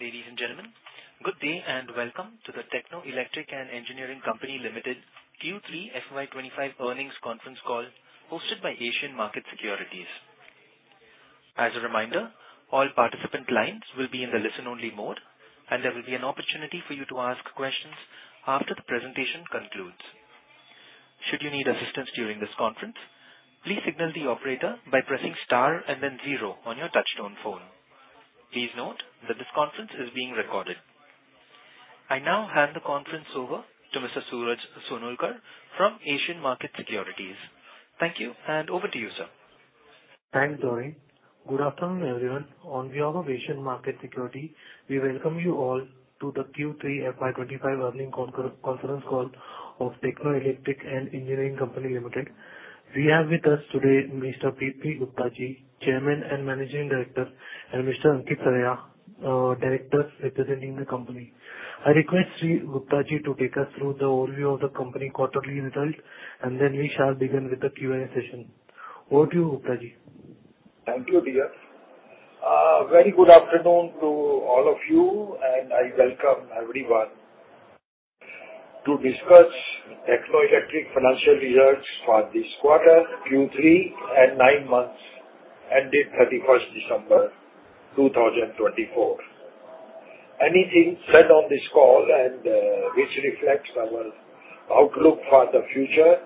Ladies and gentlemen, good day and welcome to the Techno Electric & Engineering Company Limited Q3 FY25 earnings conference call hosted by Asian Markets Securities. As a reminder, all participant lines will be in the listen-only mode, and there will be an opportunity for you to ask questions after the presentation concludes. Should you need assistance during this conference, please signal the operator by pressing star and then zero on your touch-tone phone. Please note that this conference is being recorded. I now hand the conference over to Mr. Suraj Sonulkar from Asian Markets Securities. Thank you, and over to you, sir. Thanks, Dory. Good afternoon, everyone. On behalf of Asian Markets Securities, we welcome you all to the Q3 FY25 earnings conference call of Techno Electric & Engineering Company Limited. We have with us today Mr. P.P. Gupta, Chairman and Managing Director, and Mr. Ankit Saraiya, Director representing the company. I request Gupta to take us through the overview of the company quarterly result, and then we shall begin with the Q&A session. Over to you, Gupta. Thank you, dear. Very good afternoon to all of you, and I welcome everyone to discuss Techno Electric financial results for this quarter, Q3, and nine months ended 31st December 2024. Anything said on this call and which reflects our outlook for the future,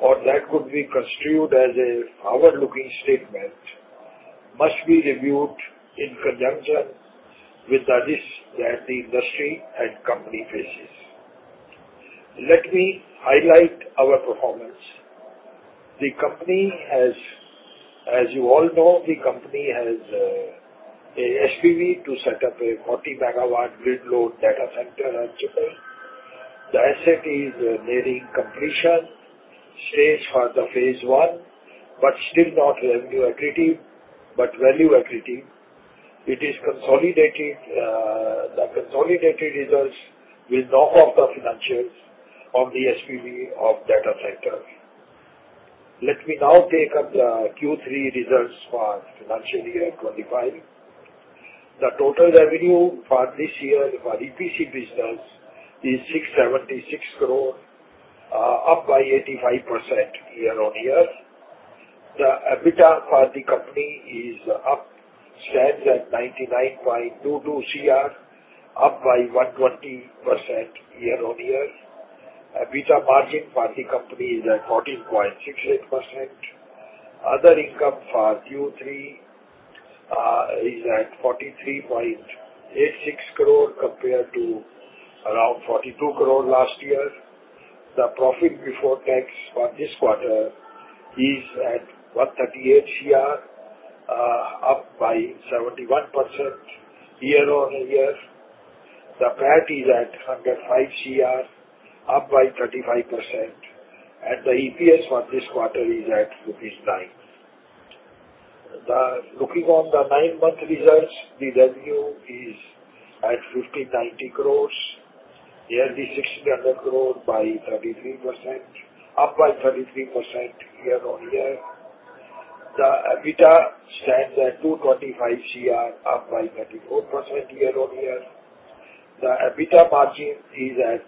or that could be construed as a forward-looking statement, must be reviewed in conjunction with the risks that the industry and company faces. Let me highlight our performance. As you all know, the company has an SPV to set up a 40-MW grid-load data center at Chennai. The asset is nearing completion, staged for the phase I, but still not revenue-accretive, but value-accretive. It is consolidated. The consolidated results will knock off the financials of the SPV of data center. Let me now take up the Q3 results for financial year 2025. The total revenue for this year for EPC business is 676 crore, up by 85% year-on-year. The EBITDA for the company stands at 99.22 crore, up by 120% year-on-year. EBITDA margin for the company is at 14.68%. Other income for Q3 is at 43.86 crore, compared to around 42 crore last year. The profit before tax for this quarter is at 138 crore, up by 71% year-on-year. The PAT is at 105 crore, up by 35%, and the EPS for this quarter is at Rs. 9. Looking on the nine-month results, the revenue is at 1,590 crores, nearly 600 crore by 33%, up by 33% year-on-year. The EBITDA stands at 225 crore, up by 34% year-on-year. The EBITDA margin is at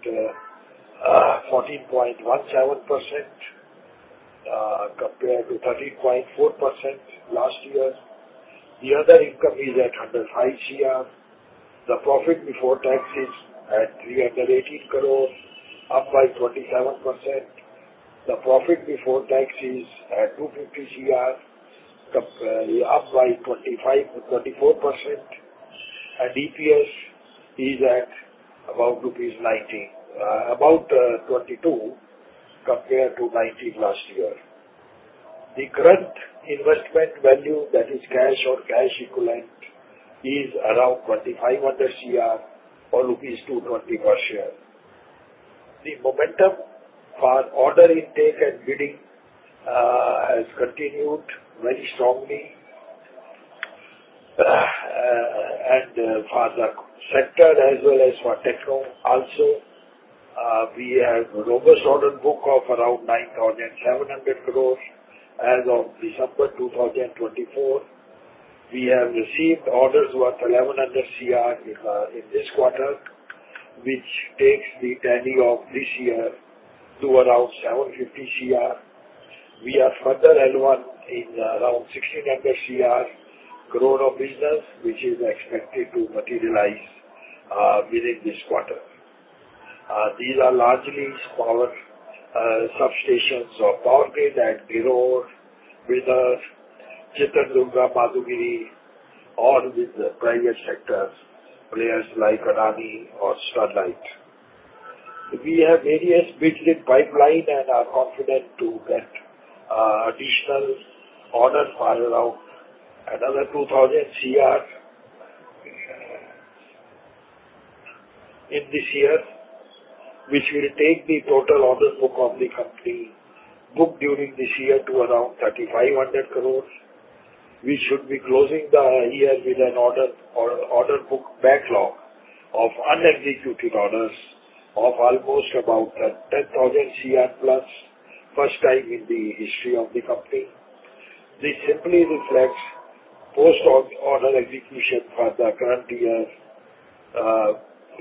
14.17%, compared to 13.4% last year. The other income is at 105 crore. The profit before tax is at 318 crore, up by 27%. The profit before tax is at 250 CR, up by 24%, and EPS is at about 22, compared to 19 last year. The current investment value, that is cash or cash equivalent, is around INR 2,500 CR, or Rs. 220 per share. The momentum for order intake and bidding has continued very strongly, and for the sector as well as for techno also, we have a robust order book of around 9,700 crore as of December 2024. We have received orders worth 1,100 CR in this quarter, which takes the tally of this year to around 750 CR. We are further advanced in around 1,600 crore of business, which is expected to materialize within this quarter. These are largely power substations or power grids at Karur, Bidar, Chitradurga, Madhugiri, or with the private sector players like Adani or Sterlite. We have various bids in pipeline and are confident to get additional orders for around another 2,000 CR in this year, which will take the total order book of the company booked during this year to around 3,500 crore. We should be closing the year with an order book backlog of unexecuted orders of almost about 10,000 CR+, first time in the history of the company. This simply reflects post-order execution for the current year.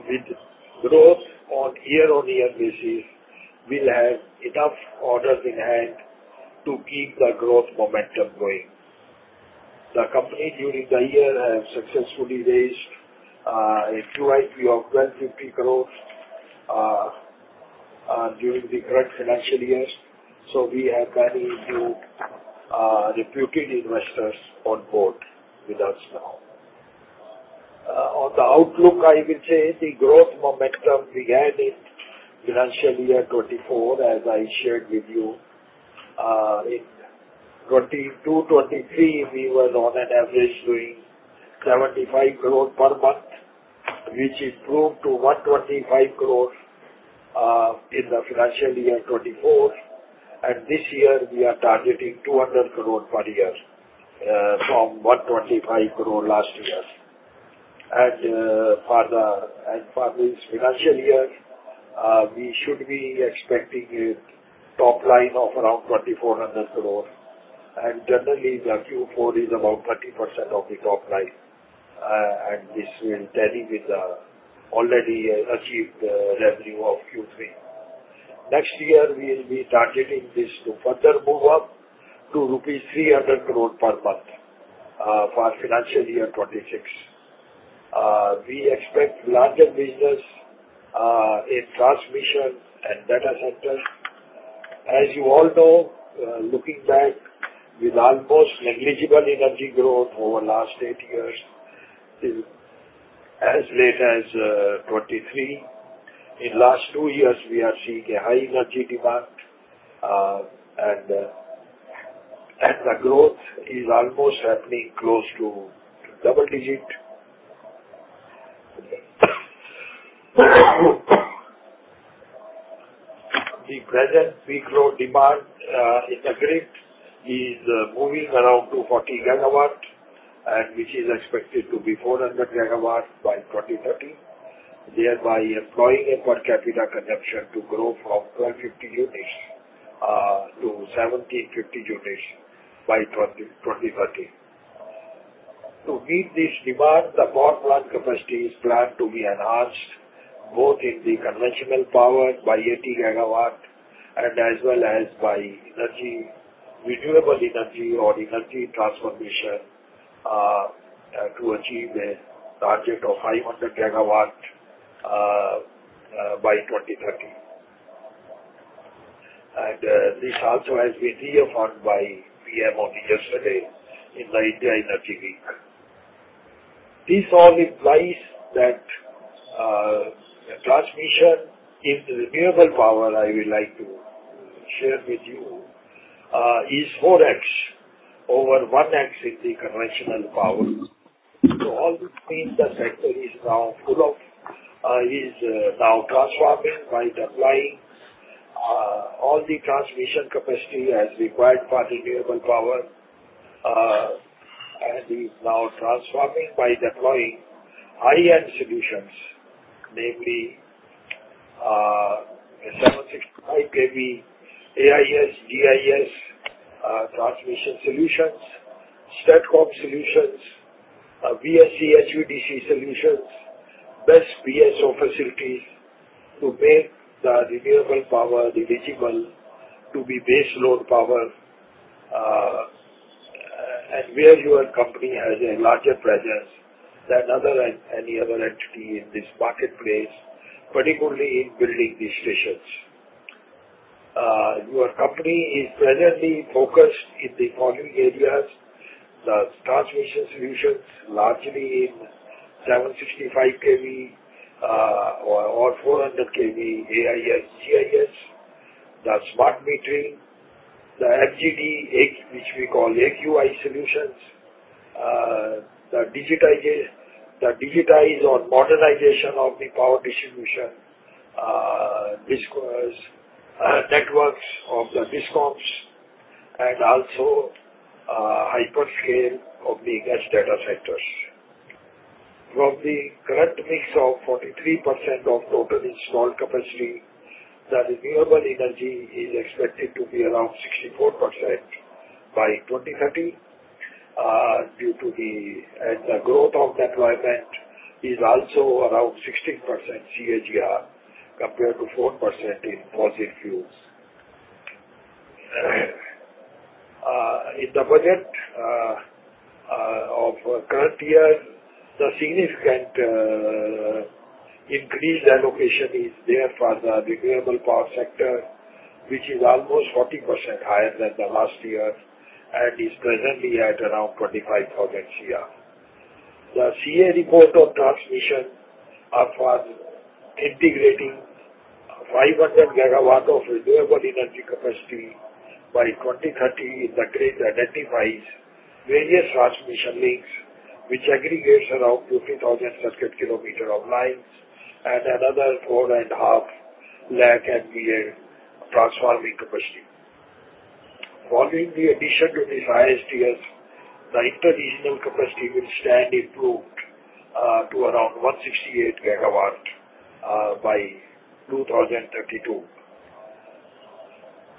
With growth on year-on-year basis, we'll have enough orders in hand to keep the growth momentum going. The company during the year has successfully raised a QIP of INR 1,250 crore during the current financial year, so we have many new reputed investors on board with us now. On the outlook, I will say the growth momentum we had in financial year 2024, as I shared with you, in 2022-23, we were on an average doing 75 crore per month, which improved to 125 crore in the financial year 2024, and this year, we are targeting 200 crore per year from 125 crore last year, and for this financial year, we should be expecting a top line of around 2,400 crore, and generally, the Q4 is about 30% of the top line, and this will tally with the already achieved revenue of Q3. Next year, we will be targeting this to further move up to rupees 300 crore per month for financial year 2026. We expect larger business in transmission and data centers. As you all know, looking back, with almost negligible energy growth over the last eight years, as late as 2023, in the last two years, we are seeing a high energy demand, and the growth is almost happening close to double digit. The present peak load demand in the grid is moving around 240 GW, which is expected to be 400 GW by 2030, thereby employing a per capita consumption to grow from 1,250 units to 1,750 units by 2030. To meet this demand, the power plant capacity is planned to be enhanced both in the conventional power by 80 GW and as well as by renewable energy or energy transformation to achieve a target of 500 GW by 2030, and this also has been reaffirmed by PM on yesterday in the India Energy Week. This all implies that transmission in renewable power, I would like to share with you, is 4X over 1X in the conventional power, so all this means the sector is now full of, is now transforming by deploying all the transmission capacity as required for renewable power, and is now transforming by deploying high-end solutions, namely 765 kV AIS, GIS transmission solutions, STATCOM solutions, VSC HVDC solutions, best BESS facilities to make the renewable power eligible to be base load power, and where your company has a larger presence than any other entity in this marketplace, particularly in building these stations. Your company is presently focused in the following areas: the transmission solutions, largely in 765 kV or 400 kV AIS, GIS, the smart metering, the FGD, which we call AQI solutions, the digitization or modernization of the power distribution networks of the DISCOMs, and also hyperscale of the edge data centers. From the current mix of 43% of total installed capacity, the renewable energy is expected to be around 64% by 2030, and the growth of deployment is also around 16% CAGR, compared to 4% in fossil fuels. In the budget of the current year, the significant increased allocation is there for the renewable power sector, which is almost 40% higher than the last year and is presently at around 25,000 crore. The CEA report on transmission for integrating 500 GW of renewable energy capacity by 2030 in the grid identifies various transmission links, which aggregates around 50,000 circuit km of lines and another 4.5 lakh MVA transformer capacity. Following the addition to this ISTS, the interregional capacity will stand improved to around 168 GW by 2032.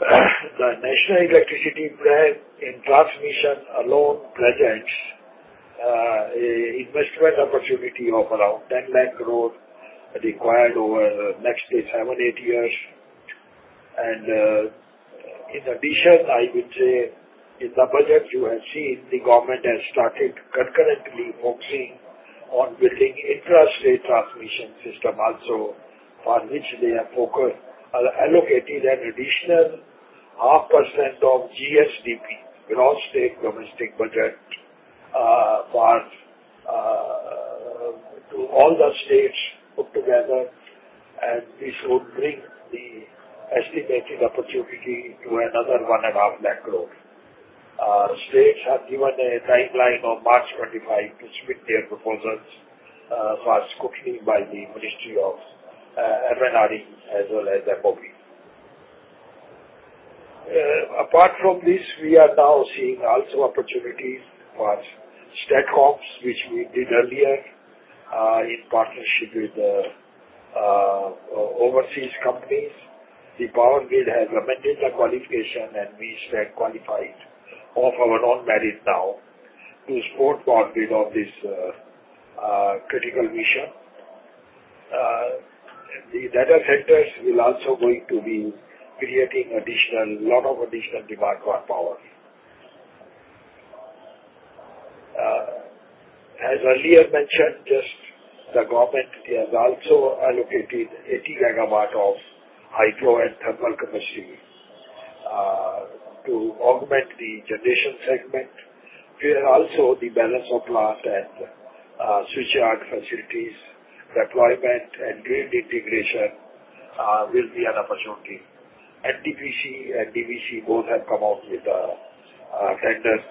The national electricity plan in transmission alone presents an investment opportunity of around 10 lakh crore required over the next 7-8 years. In addition, I would say in the budget you have seen, the government has started concurrently focusing on building intra-state transmission system also, for which they have allocated an additional 0.5% of GSDP, gross state domestic product, to all the states put together, and this would bring the estimated opportunity to another 1.5 lakh crore. States have given a timeline of March 25 to submit their proposals for scrutiny by the Ministry of MNRE as well as MoP. Apart from this, we are now seeing also opportunities for STATCOMs, which we did earlier in partnership with overseas companies. The power grid has amended the qualification, and we stand qualified of our own merit now to support power grid on this critical mission. The data centers will also going to be creating a lot of additional demand for power. As earlier mentioned, just the government has also allocated 80 GW of hydro and thermal capacity to augment the generation segment. Also, the balance of plant and switchyard facilities deployment and grid integration will be an opportunity. NTPC and DVC both have come out with tenders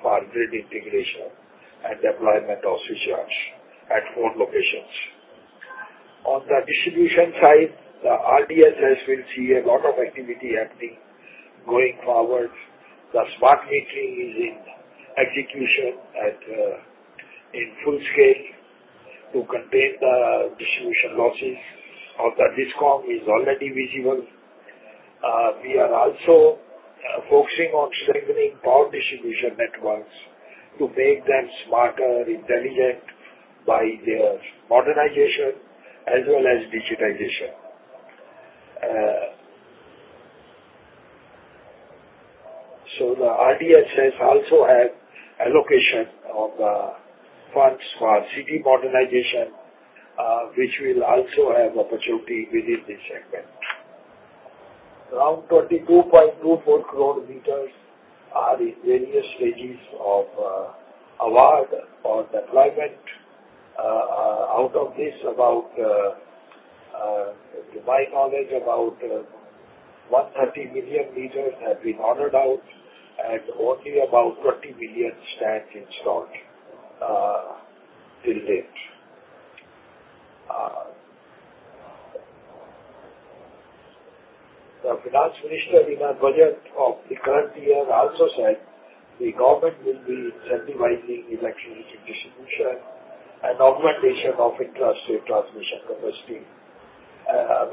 for grid integration and deployment of switchyards at four locations. On the distribution side, the RDSS will see a lot of activity happening going forward. The smart metering is in execution at full scale to contain the distribution losses of the DISCOMs are already visible. We are also focusing on strengthening power distribution networks to make them smarter, intelligent by their modernization as well as digitization. So the RDSS also has allocation of funds for city modernization, which will also have opportunity within this segment. Around 22.24 crore meters are in various stages of award or deployment. Out of this, to my knowledge, about 130 million meters have been ordered out, and only about 20 million stand installed till date. The Finance Minister in our budget of the current year also said the government will be incentivizing electricity distribution and augmentation of infrastructure transmission capacity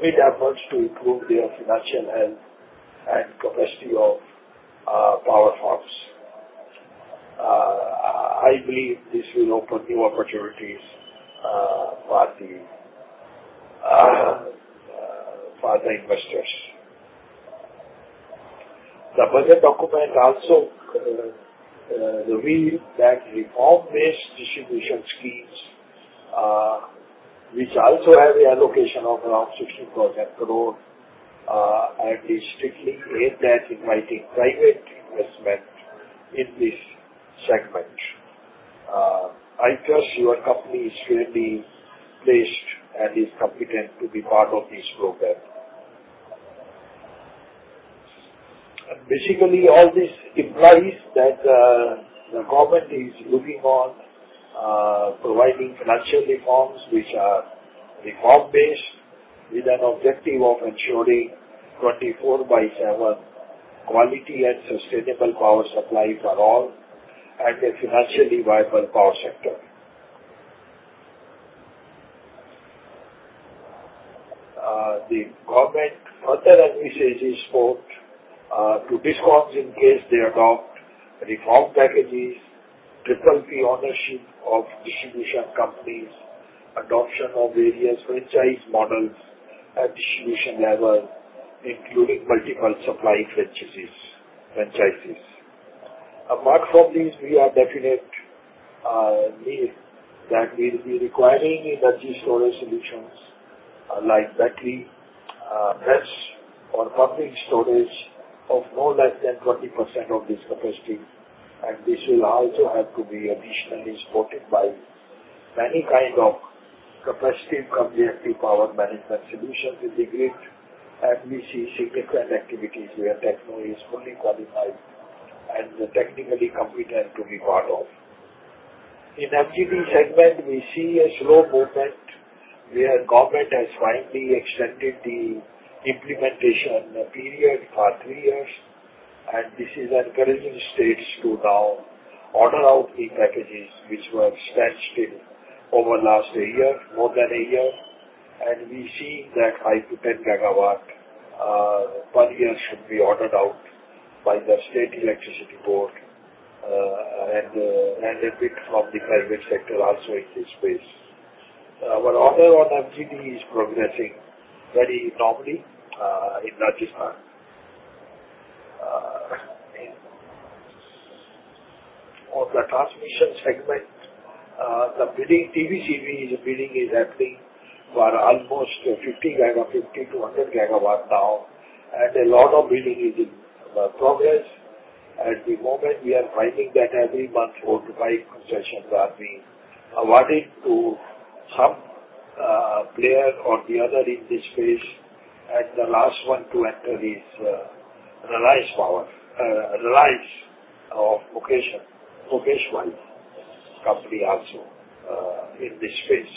with efforts to improve their financial health and capacity of power firms. I believe this will open new opportunities for the investors. The budget document also revealed that reform-based distribution schemes, which also have an allocation of around 16,000 crore, and is strictly aimed at inviting private investment in this segment. I trust your company is firmly placed and is competent to be part of this program. Basically, all this implies that the government is looking at providing financial reforms, which are reform-based with an objective of ensuring 24/7 quality and sustainable power supply for all and a financially viable power sector. The government further provides this route to DISCOMs in case they adopt reform packages, transfer of ownership of distribution companies, adoption of various franchise models at distribution level, including multiple supply franchises. Apart from these, we are definite that we will be requiring energy storage solutions like battery, gas, or public storage of no less than 20% of this capacity, and this will also have to be additionally supported by many kinds of capacity-compatible power management solutions in the grid, and we see significant activities where Techno is fully qualified and technically competent to be part of. In FGD segment, we see a slow movement where government has finally extended the implementation period for three years, and this is encouraging states to now order out the packages which were expensed over the last year, more than a year, and we see that five to 10 GW per year should be ordered out by the State Electricity Board and a bit from the private sector also in this space. Our order on FGD is progressing very normally in Rajasthan. On the transmission segment, the TBCB bidding is happening for almost 50 GW, 50-100 GW now, and a lot of bidding is in progress. At the moment, we are finding that every month four to five concessions are being awarded to some player or the other in this space, and the last one to enter is Reliance, Reliance of Mukesh Ambani's company also in this space.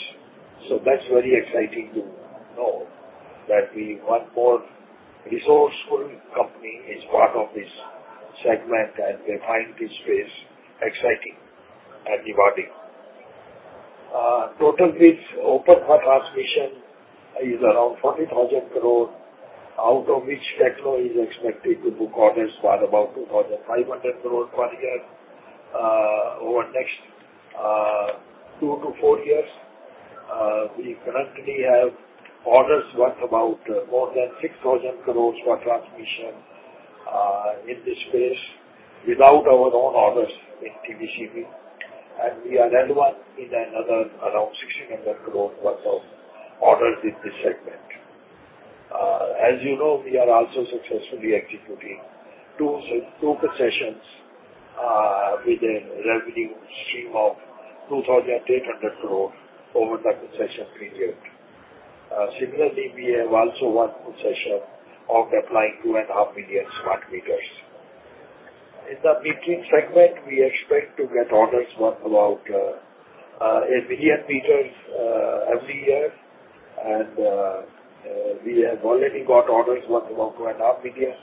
So that's very exciting to know that one more resourceful company is part of this segment, and they find this space exciting and rewarding. Total bids open for transmission is around 40,000 crore, out of which Techno is expected to book orders for about 2,500 crore per year over the next two to four years. We currently have orders worth about more than 6,000 crore for transmission in this space without our own orders in TBCB, and we are advancing another around 1,600 crore worth of orders in this segment. As you know, we are also successfully executing two concessions with a revenue stream of 2,800 crore over the concession period. Similarly, we have also one concession of deploying 2.5 million smart meters. In the metering segment, we expect to get orders worth about a million meters every year, and we have already got orders worth about 2.5 million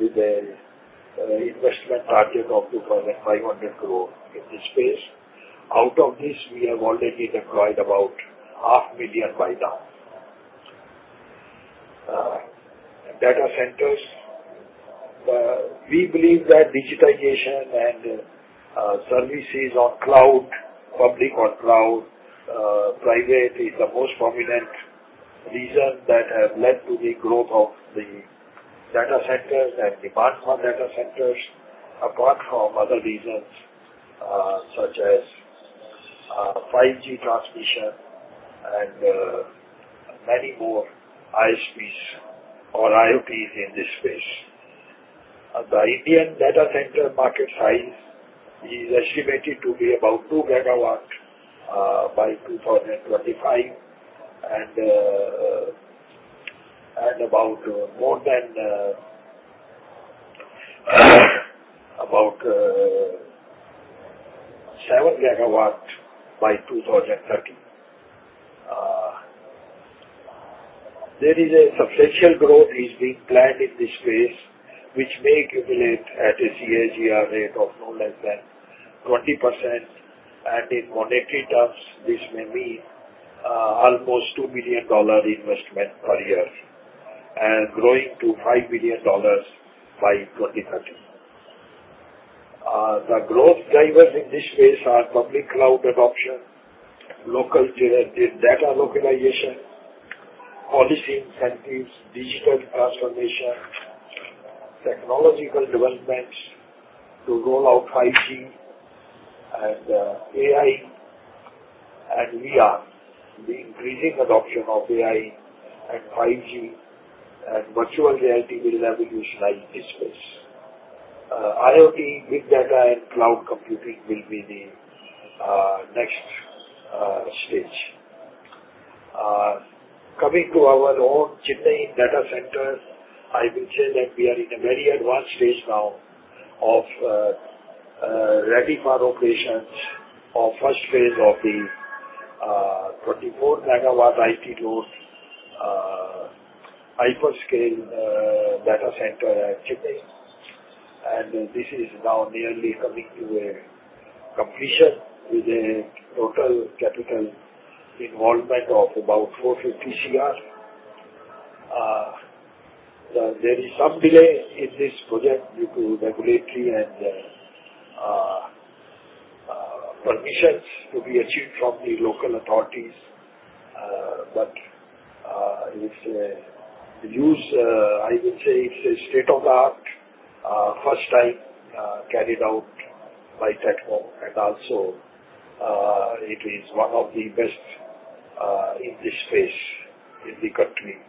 with an investment target of 2,500 crore in this space. Out of this, we have already deployed about 500,000 by now. Data centers, we believe that digitization and services on cloud, public on cloud, private is the most prominent reason that has led to the growth of the data centers and demand for data centers, apart from other reasons such as 5G transmission and many more ISPs or IoTs in this space. The Indian data center market size is estimated to be about 2 GW by 2025 and about more than 7 GW by 2030. There is a substantial growth that is being planned in this space, which may accumulate at a CAGR rate of no less than 20%, and in monetary terms, this may mean almost $2 billion investment per year and growing to $5 billion by 2030. The growth drivers in this space are public cloud adoption, local data localization, policy incentives, digital transformation, technological developments to roll out 5G and AI, and we are increasing adoption of AI and 5G and virtual reality will revolutionize this space. IoT, big data, and cloud computing will be the next stage. Coming to our own Techno data centers, I will say that we are in a very advanced stage now of ready for operations of first phase of the 24 MW IT load hyperscale data center at Techno, and this is now nearly coming to a completion with a total capital involvement of about 450 crore. There is some delay in this project due to regulatory and permissions to be achieved from the local authorities, but I would say it's a state-of-the-art, first time carried out by Techno, and also it is one of the best in this space in the country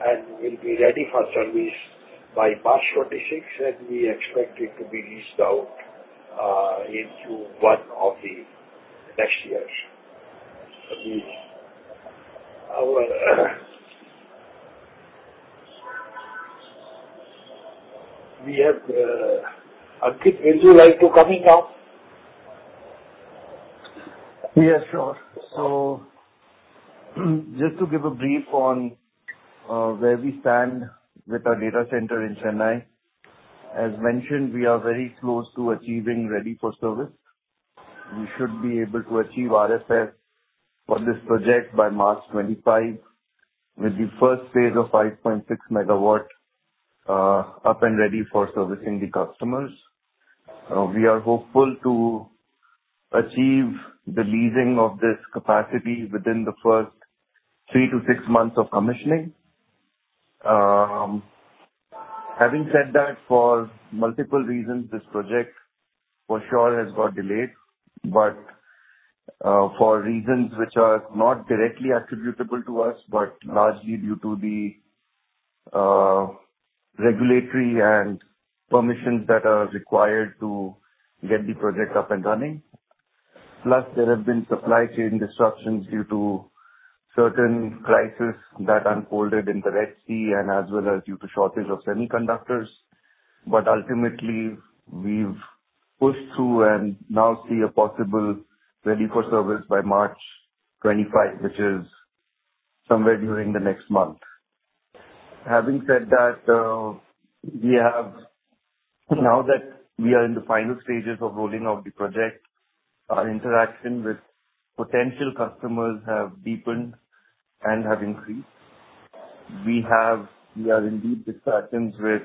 and will be ready for service by March 26, and we expect it to be leased out into one of the next years. We have Ankit, would you like to come in now? Yes, sure. So just to give a brief on where we stand with our data center in Chennai, as mentioned, we are very close to achieving ready for service. We should be able to achieve RFS for this project by March 25 with the first phase of 5.6 MW up and ready for servicing the customers. We are hopeful to achieve the leasing of this capacity within the first three to six months of commissioning. Having said that, for multiple reasons, this project for sure has got delayed, but for reasons which are not directly attributable to us, but largely due to the regulatory and permissions that are required to get the project up and running. Plus, there have been supply chain disruptions due to certain crises that unfolded in the Red Sea and as well as due to shortage of semiconductors, but ultimately we've pushed through and now see a possible ready for service by March 25, which is somewhere during the next month. Having said that, now that we are in the final stages of rolling out the project, our interaction with potential customers has deepened and has increased. We are in deep discussions with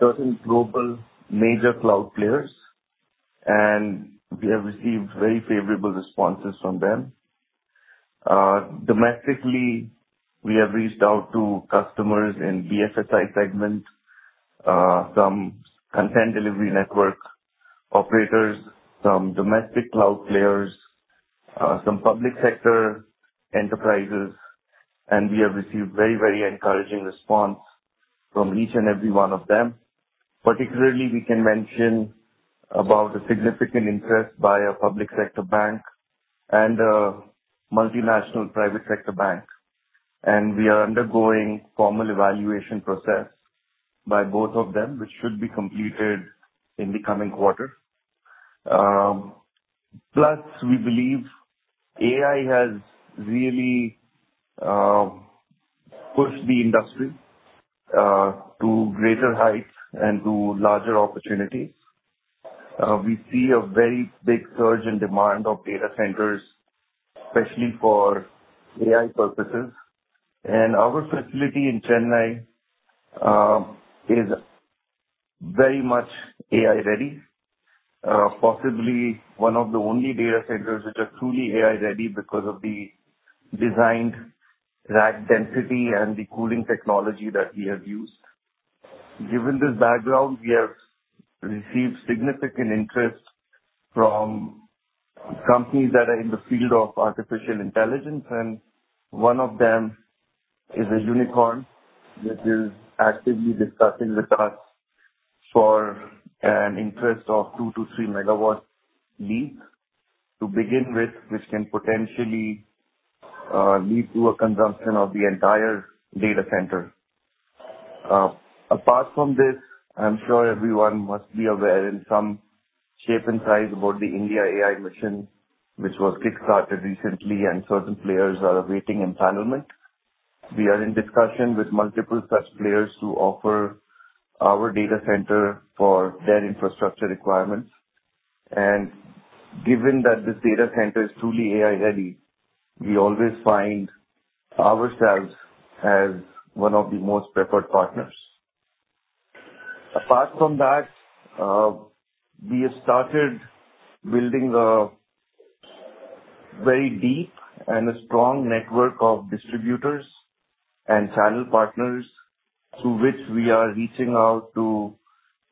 certain global major cloud players, and we have received very favorable responses from them. Domestically, we have reached out to customers in BFSI segment, some content delivery network operators, some domestic cloud players, some public sector enterprises, and we have received very, very encouraging response from each and every one of them. Particularly, we can mention about a significant interest by a public sector bank and a multinational private sector bank, and we are undergoing formal evaluation process by both of them, which should be completed in the coming quarter. Plus, we believe AI has really pushed the industry to greater heights and to larger opportunities. We see a very big surge in demand for data centers, especially for AI purposes, and our facility in Chennai is very much AI ready, possibly one of the only data centers which are truly AI ready because of the designed rack density and the cooling technology that we have used. Given this background, we have received significant interest from companies that are in the field of artificial intelligence, and one of them is a unicorn which is actively discussing with us for an initial 2 MW-3 MW lease to begin with, which can potentially lead to a consumption of the entire data center. Apart from this, I'm sure everyone must be aware in some shape and size about the IndiaAI Mission, which was kickstarted recently, and certain players are awaiting impanelment. We are in discussion with multiple such players to offer our data center for their infrastructure requirements, and given that this data center is truly AI ready, we always find ourselves as one of the most preferred partners. Apart from that, we have started building a very deep and strong network of distributors and channel partners through which we are reaching out to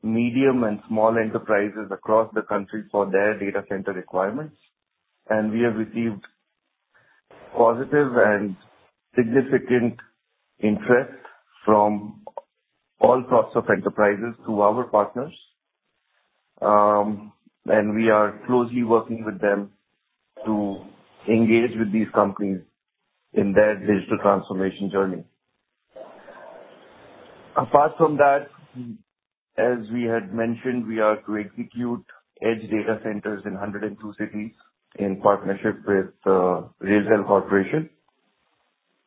medium and small enterprises across the country for their data center requirements, and we have received positive and significant interest from all sorts of enterprises through our partners, and we are closely working with them to engage with these companies in their digital transformation journey. Apart from that, as we had mentioned, we are to execute edge data centers in 102 cities in partnership with the RailTel Corporation,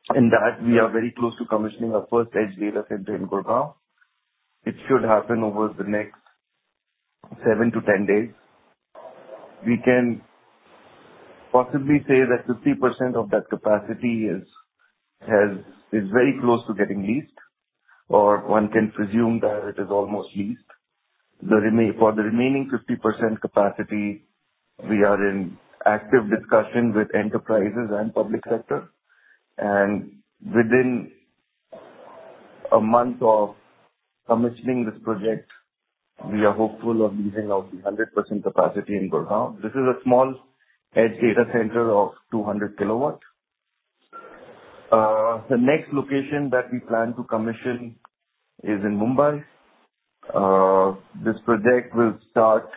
and that we are very close to commissioning our first edge data center in Gurgaon. It should happen over the next 7 to 10 days. We can possibly say that 50% of that capacity is very close to getting leased, or one can presume that it is almost leased. For the remaining 50% capacity, we are in active discussion with enterprises and public sector, and within a month of commissioning this project, we are hopeful of leasing out the 100% capacity in Gurgaon. This is a small edge data center of 200 kW. The next location that we plan to commission is in Mumbai. This project will start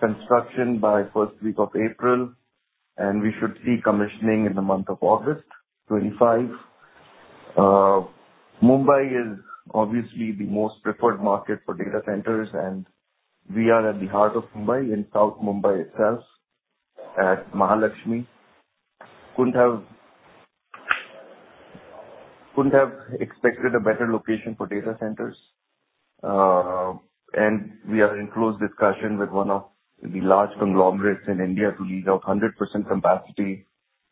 construction by first week of April, and we should see commissioning in the month of August 2025. Mumbai is obviously the most preferred market for data centers, and we are at the heart of Mumbai in South Mumbai itself at Mahalakshmi. Couldn't have expected a better location for data centers, and we are in close discussion with one of the large conglomerates in India to lease out 100% capacity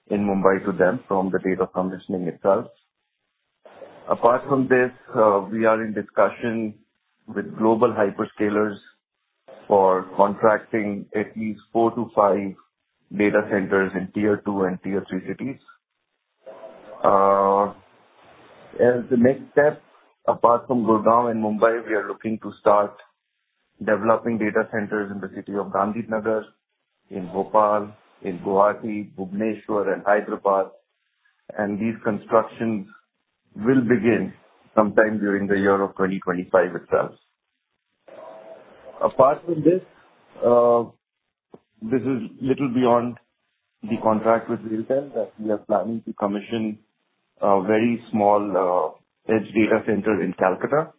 in Mumbai to them from the date of commissioning itself. Apart from this, we are in discussion with global hyperscalers for contracting at least four to five data centers in tier two and tier three cities. As the next step, apart from Gurgaon and Mumbai, we are looking to start developing data centers in the city of Gandhinagar, in Bhopal, in Guwahati, Bhubaneswar, and Hyderabad, and these constructions will begin sometime during the year of 2025 itself. Apart from this, this is a little beyond the contract with RailTel that we are planning to commission a very small edge data center in Calcutta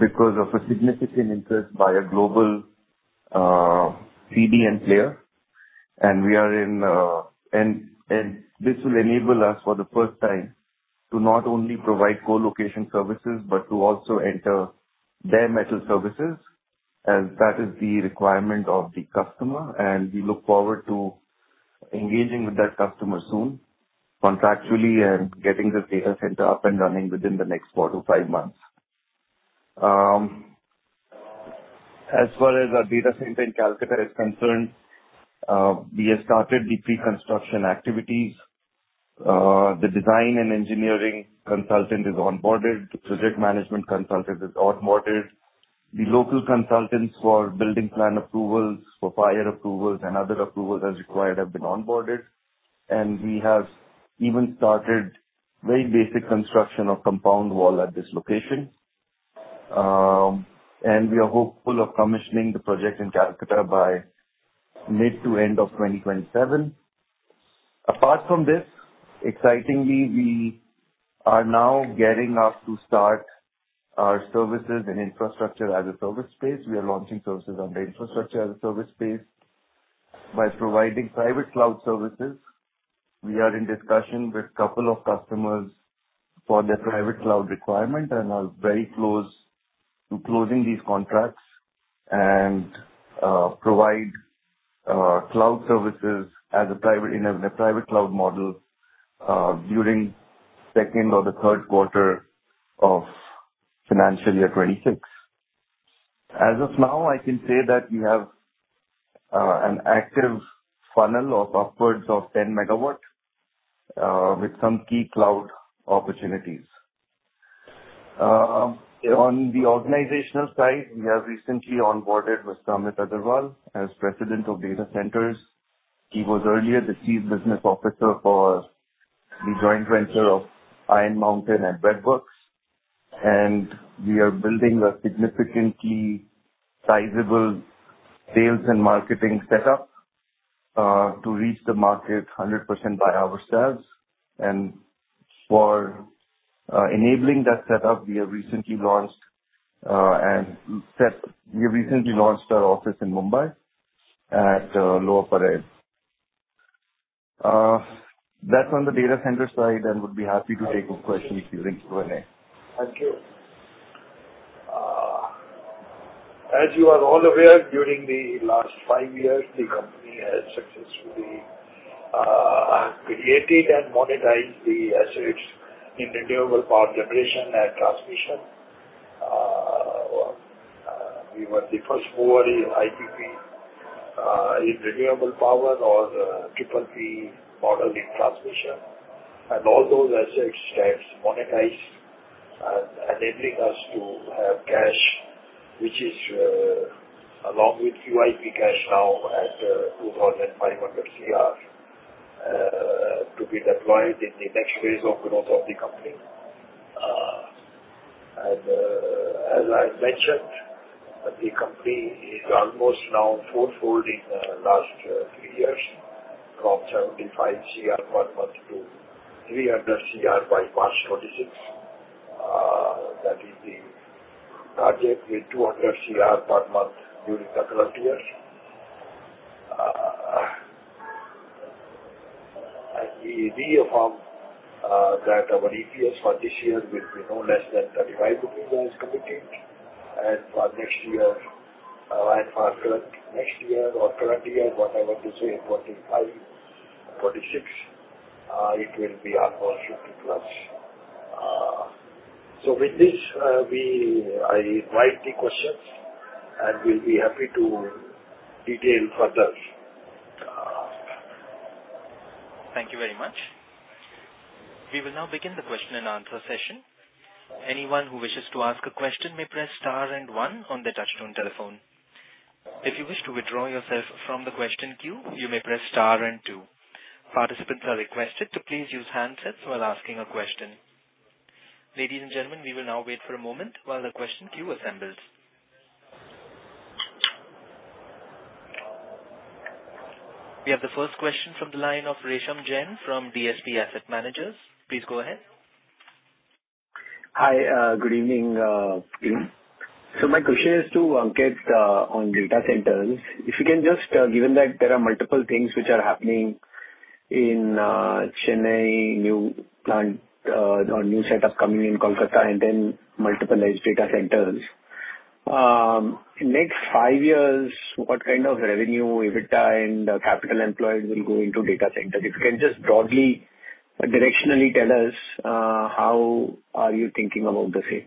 because of a significant interest by a global CDN player, and we are in this will enable us for the first time to not only provide co-location services but to also enter bare metal services, as that is the requirement of the customer, and we look forward to engaging with that customer soon contractually and getting this data center up and running within the next four to five months. As far as our data center in Calcutta is concerned, we have started the pre-construction activities. The design and engineering consultant is onboarded. The project management consultant is onboarded. The local consultants for building plan approvals, for fire approvals, and other approvals as required have been onboarded, and we have even started very basic construction of compound wall at this location, and we are hopeful of commissioning the project in Calcutta by mid to end of 2027. Apart from this, excitingly, we are now getting up to start our services and Infrastructure as a Service space. We are launching services on the Infrastructure as a Service space by providing private cloud services. We are in discussion with a couple of customers for their private cloud requirement and are very close to closing these contracts and provide cloud services as a private cloud model during the second or the third quarter of financial year 2026. As of now, I can say that we have an active funnel of upwards of 10 MW with some key cloud opportunities. On the organizational side, we have recently onboarded Mr. Amit Agarwal as president of data centers. He was earlier the chief business officer for the joint venture of Iron Mountain and WebWerks, and we are building a significantly sizable sales and marketing setup to reach the market 100% by ourselves, and for enabling that setup, we have recently launched our office in Mumbai at Lower Parel. That's on the data center side, and we'd be happy to take questions during Q&A. Thank you. As you are all aware, during the last five years, the company has successfully created and monetized the assets in renewable power generation and transmission. We were the first BOOT IPP in renewable power or triple P model in transmission, and all those assets have monetized, enabling us to have cash, which is along with QIP cash now at 2,500 CR, to be deployed in the next phase of growth of the company. And as I mentioned, the company is almost now four-fold in the last three years from 75 CR per month to 300 CR by March 2026. That is the target with 200 CR per month during the current year. And we reaffirm that our EPS for this year will be no less than 35 rupees Rs as committed, and for next year or current year, what I want to say, 25, 26, it will be almost 50+. So with this, I invite the questions, and we'll be happy to detail further. Thank you very much. We will now begin the question and answer session. Anyone who wishes to ask a question may press star and one on the touch-tone telephone. If you wish to withdraw yourself from the question queue, you may press star and two. Participants are requested to please use handsets while asking a question. Ladies and gentlemen, we will now wait for a moment while the question queue assembles. We have the first question from the line of Resham Jain from DSP Asset Managers. Please go ahead. Hi, good evening. So my question is to get on data centers. If you can just given that there are multiple things which are happening in Chennai, new plant or new setup coming in Kolkata, and then multiple edge data centers. In the next five years, what kind of revenue EBITDA and capital employed will go into data centers? If you can just broadly directionally tell us, how are you thinking about the same?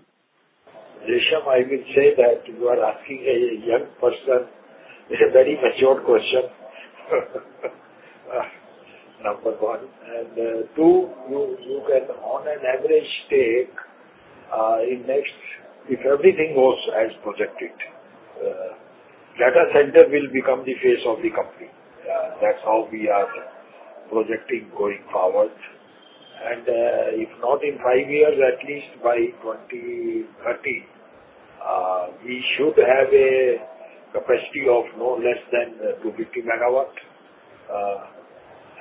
Resham, I will say that you are asking a young person a very mature question, number one. And two, you can on an average take in next if everything goes as projected, data center will become the face of the company. That's how we are projecting going forward. And if not in five years, at least by 2030, we should have a capacity of no less than 250 MW,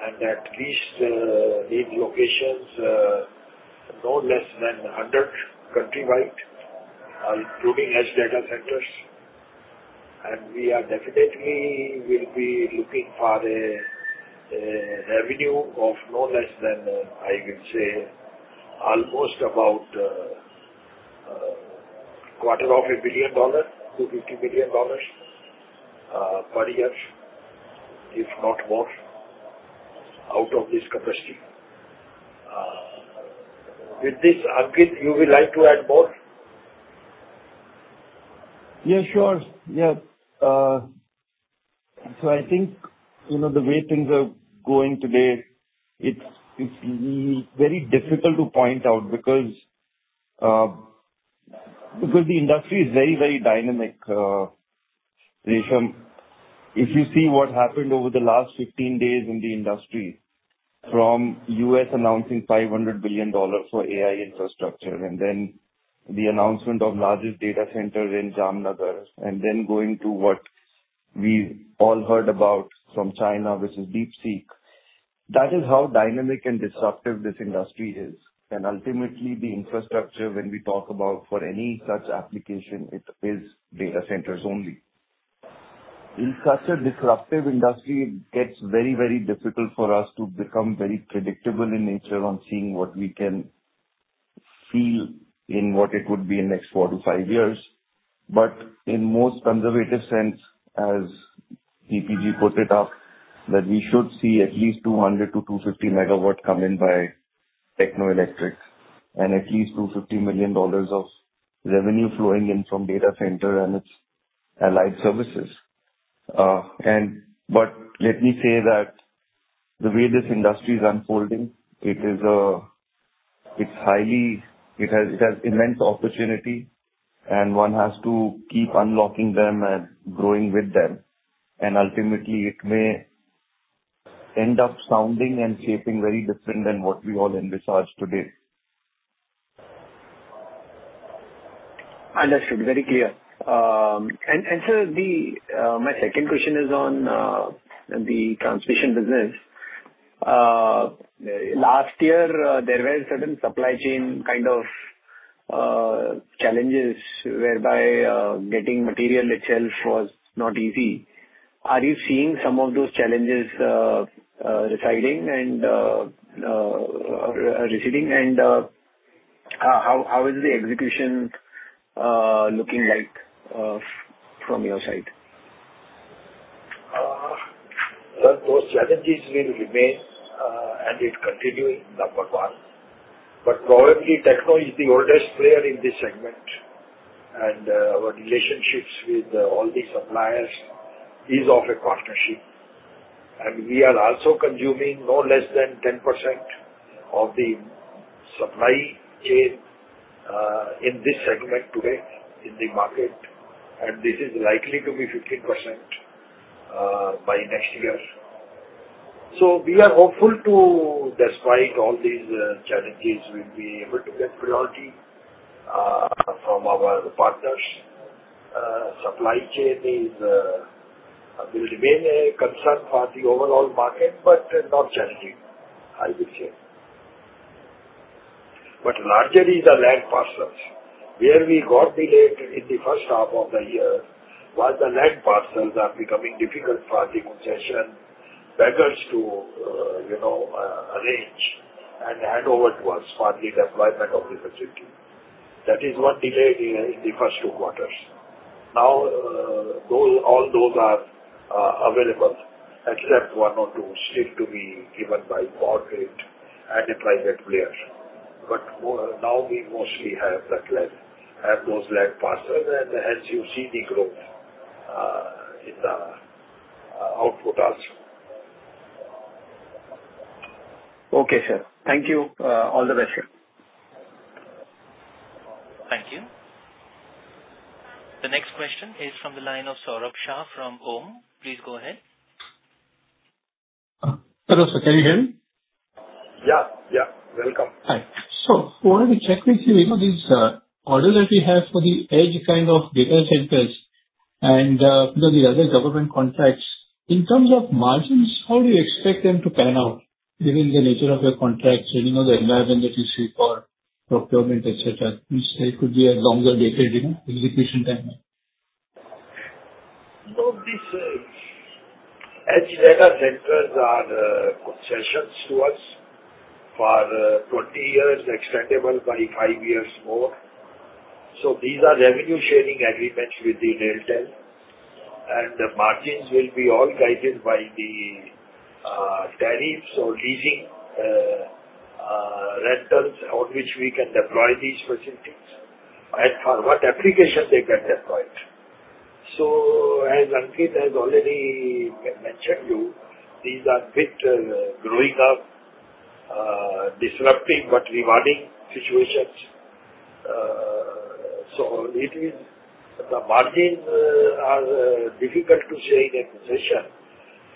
and at least these locations, no less than 100 countrywide, including edge data centers. And we are definitely will be looking for a revenue of no less than, I will say, almost about INR 250 million, INR 250 million per year, if not more, out of this capacity. With this, Ankit, you would like to add more? Yeah, sure. Yeah. So I think the way things are going today, it's very difficult to point out because the industry is very, very dynamic. Resham, if you see what happened over the last 15 days in the industry from U.S. $500 billion for AI infrastructure and then the announcement of largest data centers in Jamnagar and then going to what we all heard about from China, which is DeepSeek, that is how dynamic and disruptive this industry is. And ultimately, the infrastructure when we talk about for any such application, it is data centers only. In such a disruptive industry, it gets very, very difficult for us to become very predictable in nature on seeing what we can feel in what it would be in the next four to five years. But in the most conservative sense, as P.P. Gupta put it up, that we should see at least 200 MW-250 MW come in by Techno Electric and at least $250 million of revenue flowing in from data center and its allied services. But let me say that the way this industry is unfolding, it's highly. It has immense opportunity, and one has to keep unlocking them and growing with them. And ultimately, it may end up sounding and shaping very different than what we all envisage today. Understood. Very clear. And sir, my second question is on the transmission business. Last year, there were certain supply chain kind of challenges whereby getting material itself was not easy. Are you seeing some of those challenges receding, and how is the execution looking like from your side? Those challenges will remain and will continue in number one. Probably techno is the oldest player in this segment, and our relationships with all these suppliers is of a partnership. We are also consuming no less than 10% of the supply chain in this segment today in the market, and this is likely to be 15% by next year. We are hopeful to, despite all these challenges, we'll be able to get priority from our partners. Supply chain will remain a concern for the overall market, but not challenging, I would say. Largely the land parcels, where we got delayed in the first half of the year, while the land parcels are becoming difficult for the concessionaires to arrange and hand over to us for the deployment of the facility. That is one delay in the first two quarters. Now, all those are available, except one or two still to be given by corporate and a private player. But now we mostly have that land, have those land parcels, and hence you see the growth in the output also. Okay, sir. Thank you. All the best, sir. Thank you. The next question is from the line of Saurabh Shah from AUM. Please go ahead. Hello, sir. Can you hear me? Yeah. Yeah. Welcome. Hi. So I wanted to check with you these orders that we have for the edge kind of data centers and the other government contracts. In terms of margins, how do you expect them to pan out given the nature of your contracts and the environment that you see for procurement, etc.? It could be a longer dated execution time. Edge data centers are concessions to us for 20 years, extendable by five years more. So these are revenue-sharing agreements with the RailTel, and the margins will be all guided by the tariffs or leasing rentals on which we can deploy these facilities and for what application they can deploy. So as Ankit has already mentioned to you, these are a bit growing up, disruptive but rewarding situations. So the margins are difficult to say in a concession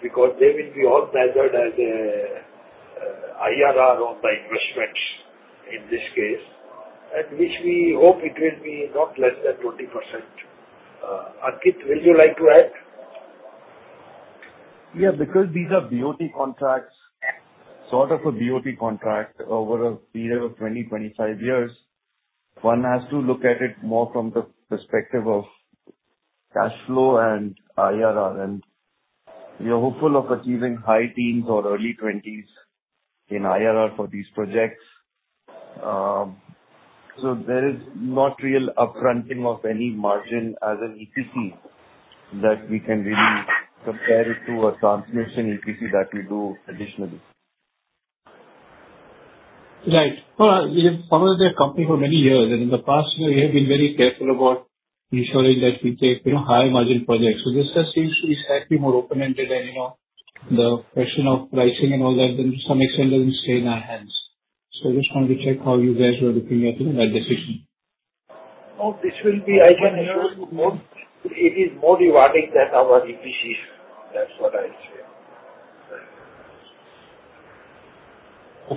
because they will be all measured as an IRR on the investment in this case, at which we hope it will be not less than 20%. Ankit, would you like to add? Yeah. Because these are BOT contracts, sort of a BOT contract over a period of 20-25 years, one has to look at it more from the perspective of cash flow and IRR. And we are hopeful of achieving high teens or early 20s in IRR for these projects. So there is no real upfronting of any margin as an EPC that we can really compare it to a transmission EPC that we do additionally. Right. Well, you've followed the company for many years, and in the past, we have been very careful about ensuring that we take high margin projects. So this seems to be slightly more open-ended than the question of pricing and all that, and to some extent doesn't stay in our hands. So I just wanted to check how you guys were looking at that decision. Oh, this will be. I can assure you it is more rewarding than our EPCs. That's what I'll say.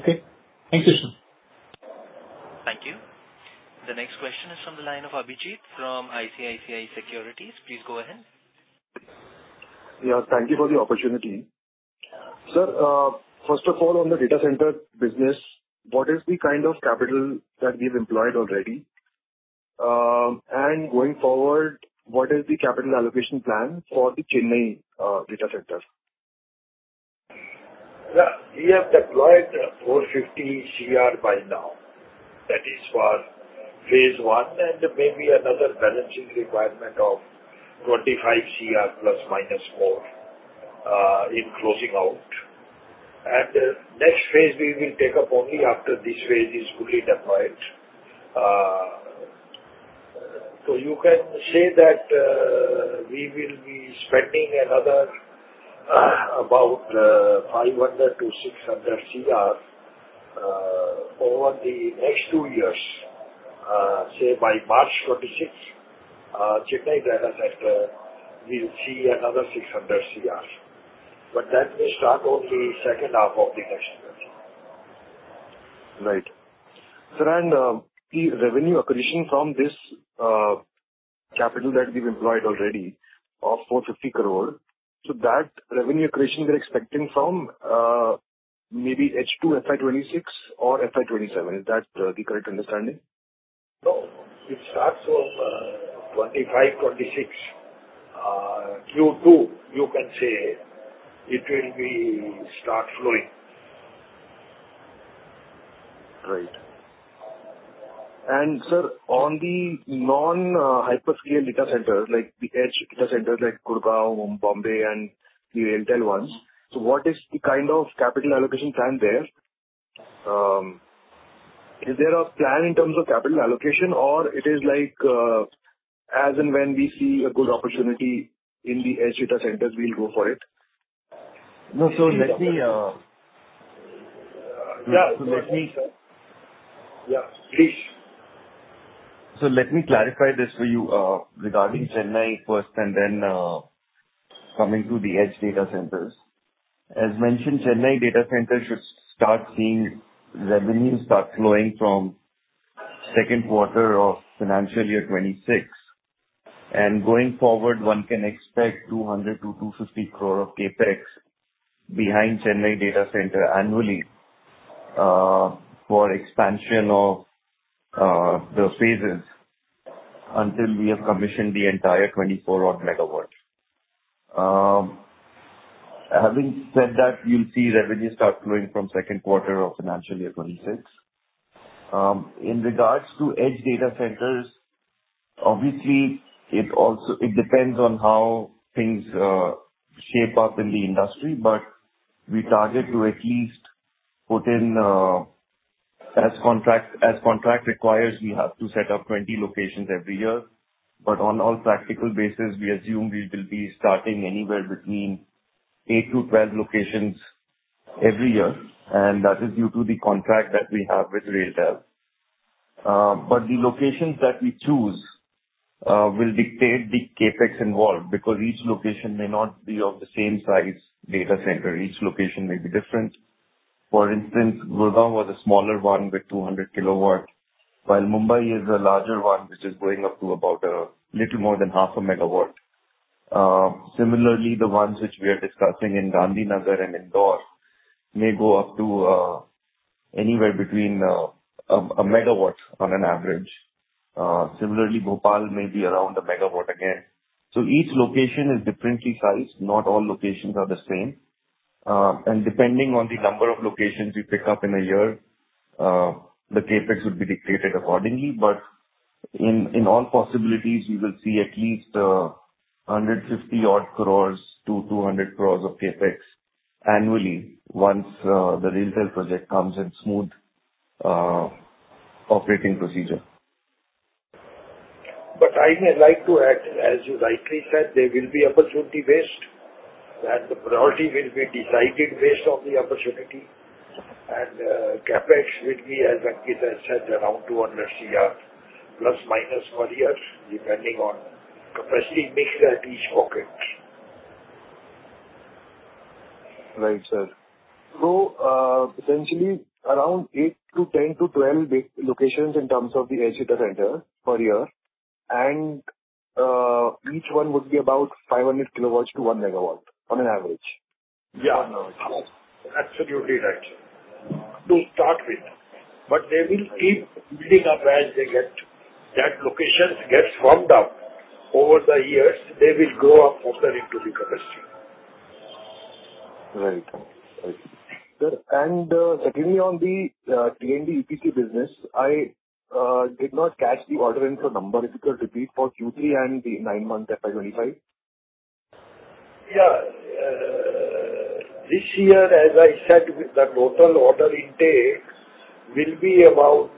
Okay. Thank you, sir. Thank you. The next question is from the line of Abhijit Mitra from ICICI Securities. Please go ahead. Yeah. Thank you for the opportunity. Sir, first of all, on the data center business, what is the kind of capital that we have employed already? And going forward, what is the capital allocation plan for the Chennai data center? We have deployed 450 CR by now. That is for phase I and maybe another balancing requirement of 25 CR ± more in closing out. And the next phase we will take up only after this phase is fully deployed. So you can say that we will be spending another about 500 CR-INR 600 CR over the next two years. Say by March 2026, Chennai data center will see another 600 CR. But that will start only second half of the next year. Right. Sir, and the revenue accretion from this capital that we've employed already of 450 crore, so that revenue accretion we're expecting from maybe H2 FY26 or FY27. Is that the correct understanding? No. It starts from 2025-2026. Q2, you can say it will be start flowing. Right. And sir, on the non-hyperscale data centers, like the edge data centers like Gurgaon, Mumbai, and the RailTel ones, so what is the kind of capital allocation plan there? Is there a plan in terms of capital allocation, or it is like as and when we see a good opportunity in the edge data centers, we'll go for it? No. So let me yeah. Please. So let me clarify this for you regarding Chennai first and then coming to the edge data centers. As mentioned, Chennai data centers should start seeing revenues start flowing from second quarter of financial year 2026. Going forward, one can expect 200 crore-250 crore of CapEx behind Chennai data center annually for expansion of the phases until we have commissioned the entire 24MW. Having said that, you'll see revenues start flowing from second quarter of financial year 2026. In regards to edge data centers, obviously, it depends on how things shape up in the industry, but we target to at least put in as contract requires, we have to set up 20 locations every year. But on all practical basis, we assume we will be starting anywhere between 8-12 locations every year, and that is due to the contract that we have with RailTel. But the locations that we choose will dictate the CapEx involved because each location may not be of the same size data center. Each location may be different. For instance, Gurgaon was a smaller one with 200 kW, while Mumbai is a larger one which is going up to about a little more than half a megawatt. Similarly, the ones which we are discussing in Gandhinagar and Indore may go up to anywhere between a megawatt on an average. Similarly, Bhopal may be around a megawatt again. So each location is differently sized. Not all locations are the same. And depending on the number of locations we pick up in a year, the CapEx would be dictated accordingly. But in all possibilities, we will see at least 150-odd crores to 200 crores of CapEx annually once the RailTel project comes in smooth operating procedure. But I may like to add, as you rightly said, there will be opportunity-based and the priority will be decided based on the opportunity. CapEx will be, as Ankit has said, around 200 CR ± per year depending on capacity mix at each pocket. Right, sir. So essentially, around eight to 10 to 12 locations in terms of the edge data center per year, and each one would be about 500 kW to 1 MW on average. Yeah. Absolutely right. To start with. But they will keep building up as that location gets warmed up over the years. They will grow up further into the capacity. Right. Right. And secondly, on the T&D EPC business, I did not catch the order inflow number. If you could repeat for Q3 and the nine-month FY25? Yeah. This year, as I said, the total order intake will be about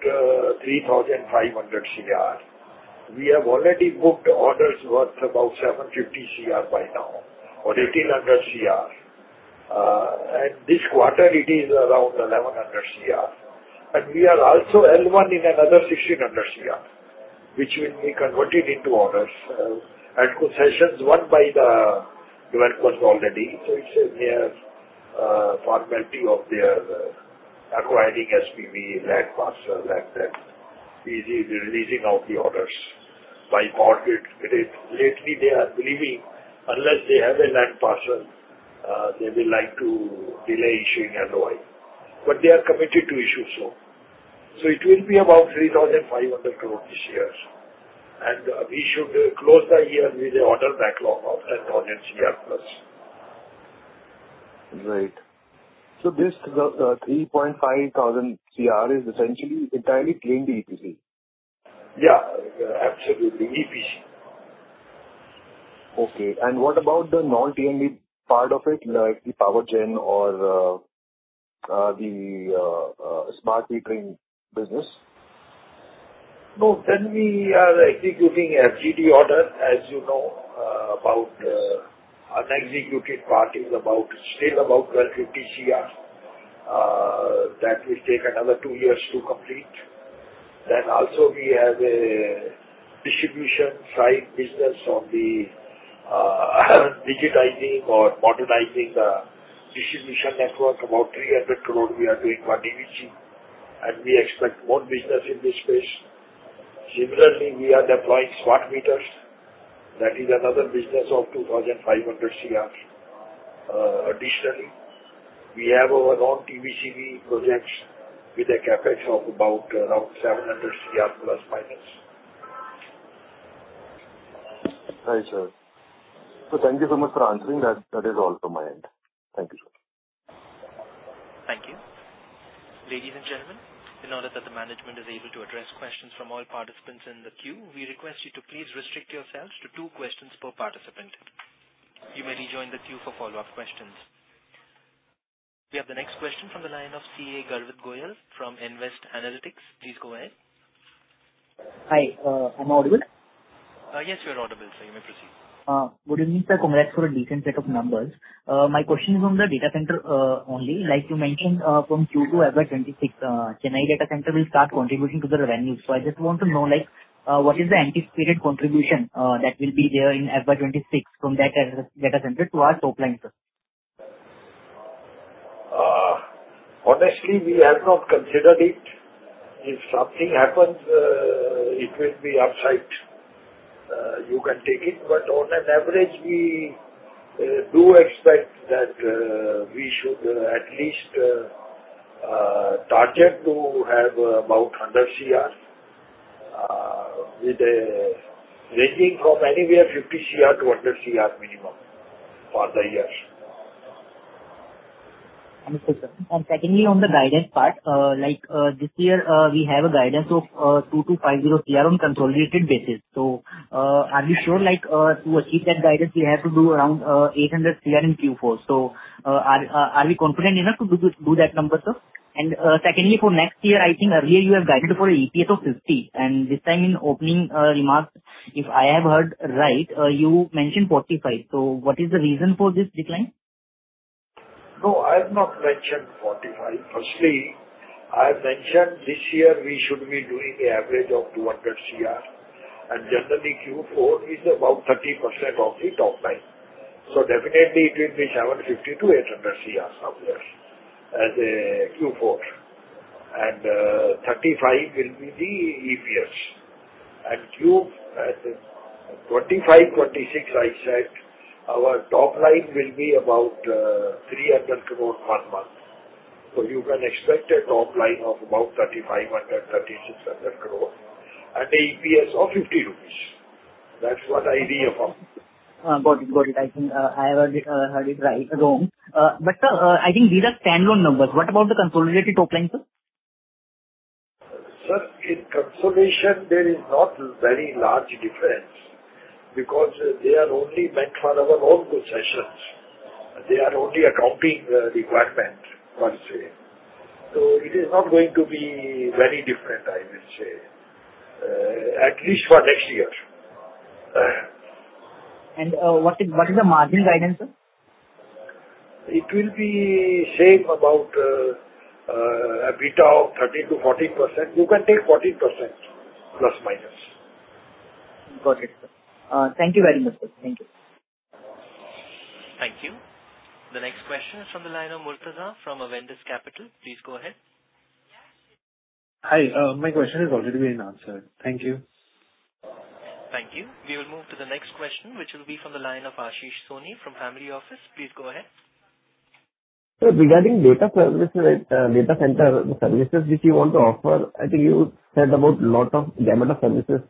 3,500 CR. We have already booked orders worth about 750 CR by now or 1,800 CR. And this quarter, it is around 1,100 CR. And we are also L1 in another 1,600 CR, which will be converted into orders. And concessions won by the developers already. So it's a near formality of their acquiring SPV, land parcel, and then releasing out the orders by corporate. Lately, they are believing unless they have a land parcel, they will like to delay issuing LOI. But they are committed to issue so. So it will be about 3,500 crore this year. And we should close the year with the order backlog of 10,000 CR+. Right. So this INR 3,500 CR is essentially entirely clean EPC? Yeah. Absolutely. EPC. Okay. And what about the non-T&D part of it, like the power gen or the smart metering business? No. Then we are executing FGD order, as you know. Unexecuted part is still about 1,250 CR. That will take another two years to complete. Then also, we have a distribution side business on the digitizing or modernizing the distribution network, about 300 crore we are doing for DVC. And we expect more business in this space. Similarly, we are deploying smart meters. That is another business of 2,500 crore additionally. We have our own TBCB projects with a CapEx of about around 700 crore ±. Right, sir. So thank you so much for answering. That is all from my end. Thank you, sir. Thank you. Ladies and gentlemen, in order that the management is able to address questions from all participants in the queue, we request you to please restrict yourselves to two questions per participant. You may rejoin the queue for follow-up questions. We have the next question from the line of CA Garvit Goyal from Nvest Analytics. Please go ahead. Hi. Am I audible? Yes, you're audible, sir. You may proceed. Good evening, sir. Congrats for a decent set of numbers. My question is on the data center only. Like you mentioned, from Q2 FY26, Chennai data center will start contributing to the revenue. So I just want to know what is the anticipated contribution that will be there in FY26 from that data center to our top line? Honestly, we have not considered it. If something happens, it will be upside. You can take it. But on an average, we do expect that we should at least target to have about 100 CR with a ranging from anywhere 50 CR-INR 100 CR minimum for the year. Understood, sir, and secondly, on the guidance part, this year we have a guidance of 250 CR on consolidated basis. So are we sure to achieve that guidance? We have to do around 800 CR in Q4. So are we confident enough to do that number, sir? And secondly, for next year, I think earlier you have guided for an EPS of 50. And this time in opening remarks, if I have heard right, you mentioned 45. So what is the reason for this decline? No, I have not mentioned 45. Firstly, I have mentioned this year we should be doing an average of 200 CR. And generally, Q4 is about 30% of the top line. So definitely, it will be 750 CR-INR 800 CR somewhere as a Q4. And 35 will be the EPS. And Q 2025, 2026, I said our top line will be about 300 crore per month. So you can expect a top line of about 3,500, 3,600 crore and an EPS of 50 rupees. That's what I reaffirmed. Got it. Got it. I think I have heard it wrong. But I think these are standalone numbers. What about the consolidated top line, sir? Sir, in consolidation, there is not very large difference because they are only meant for our own concessions. They are only accounting requirement, per se. So it is not going to be very different, I would say, at least for next year. And what is the margin guidance, sir? It will be same about EBITDA of 30%-40%. You can take 40%±. Got it, sir. Thank you very much, sir. Thank you. Thank you. The next question is from the line of Murtuza from Avendus Capital. Please go ahead. Hi. My question has already been answered. Thank you. Thank you. We will move to the next question, which will be from the line of [Ashish Soni] from Family Office. Please go ahead. Sir, regarding data center services which you want to offer, I think you said about a lot of gamut of services.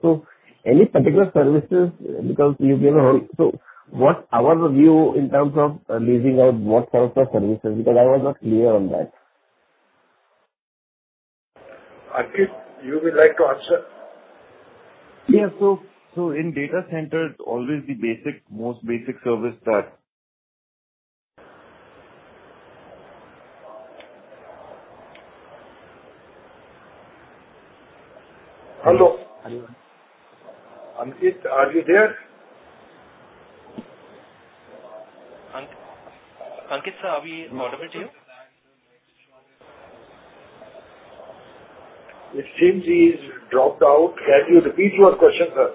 So any particular services because you gave a whole so what's our view in terms of leasing out what sort of services? Because I was not clear on that. Ankit, you would like to answer? Yeah. So in data centers, always the most basic service that hello? Ankit, are you there? Ankit, sir, are we audible to you? It seems he's dropped out. Can you repeat your question, sir?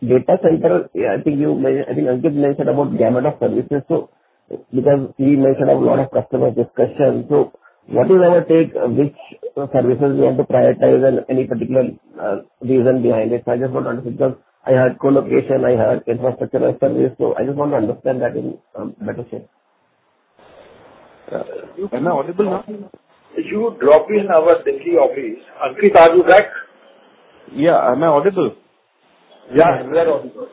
Data center, I think Ankit mentioned about gamut of services. So because he mentioned a lot of customer discussions, so what is our take? Which services do you want to prioritize and any particular reason behind it? So I just want to understand because I heard co-location. I heard infrastructure as service. So I just want to understand that in better shape. Am I audible now? You dropped in our Delhi office. Ankit, are you back? Yeah. Am I audible? Yeah. We are audible.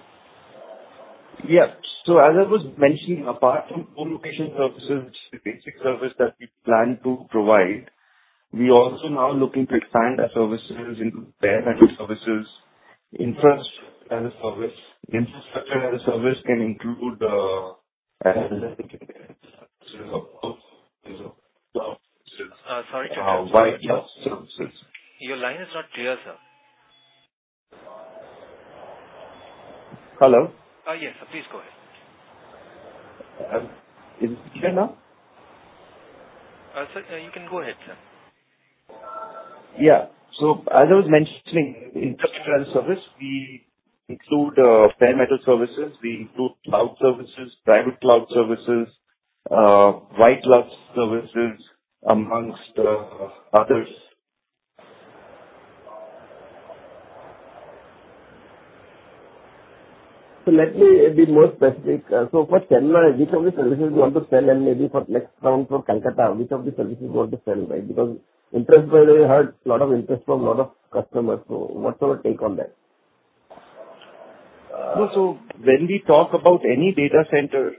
Yeah. So as I was mentioning, apart from co-location services, the basic service that we plan to provide, we are also now looking to expand our services into bare-metal services, infrastructure as a service. Infrastructure as a service can include cloud services. Sorry? Why cloud services? Your line is not clear, sir. Hello? Yes, sir. Please go ahead. Is it clear now? Sir, you can go ahead, sir. Yeah. So as I was mentioning, infrastructure as a service, we include bare-metal services. We include cloud services, private cloud services, white glove services, among others. So let me be more specific. So for Chennai, which of the services do you want to sell? And maybe for next round for Kolkata, which of the services do you want to sell? Because interest-wise, I heard a lot of interest from a lot of customers. So what's our take on that? So when we talk about any data center,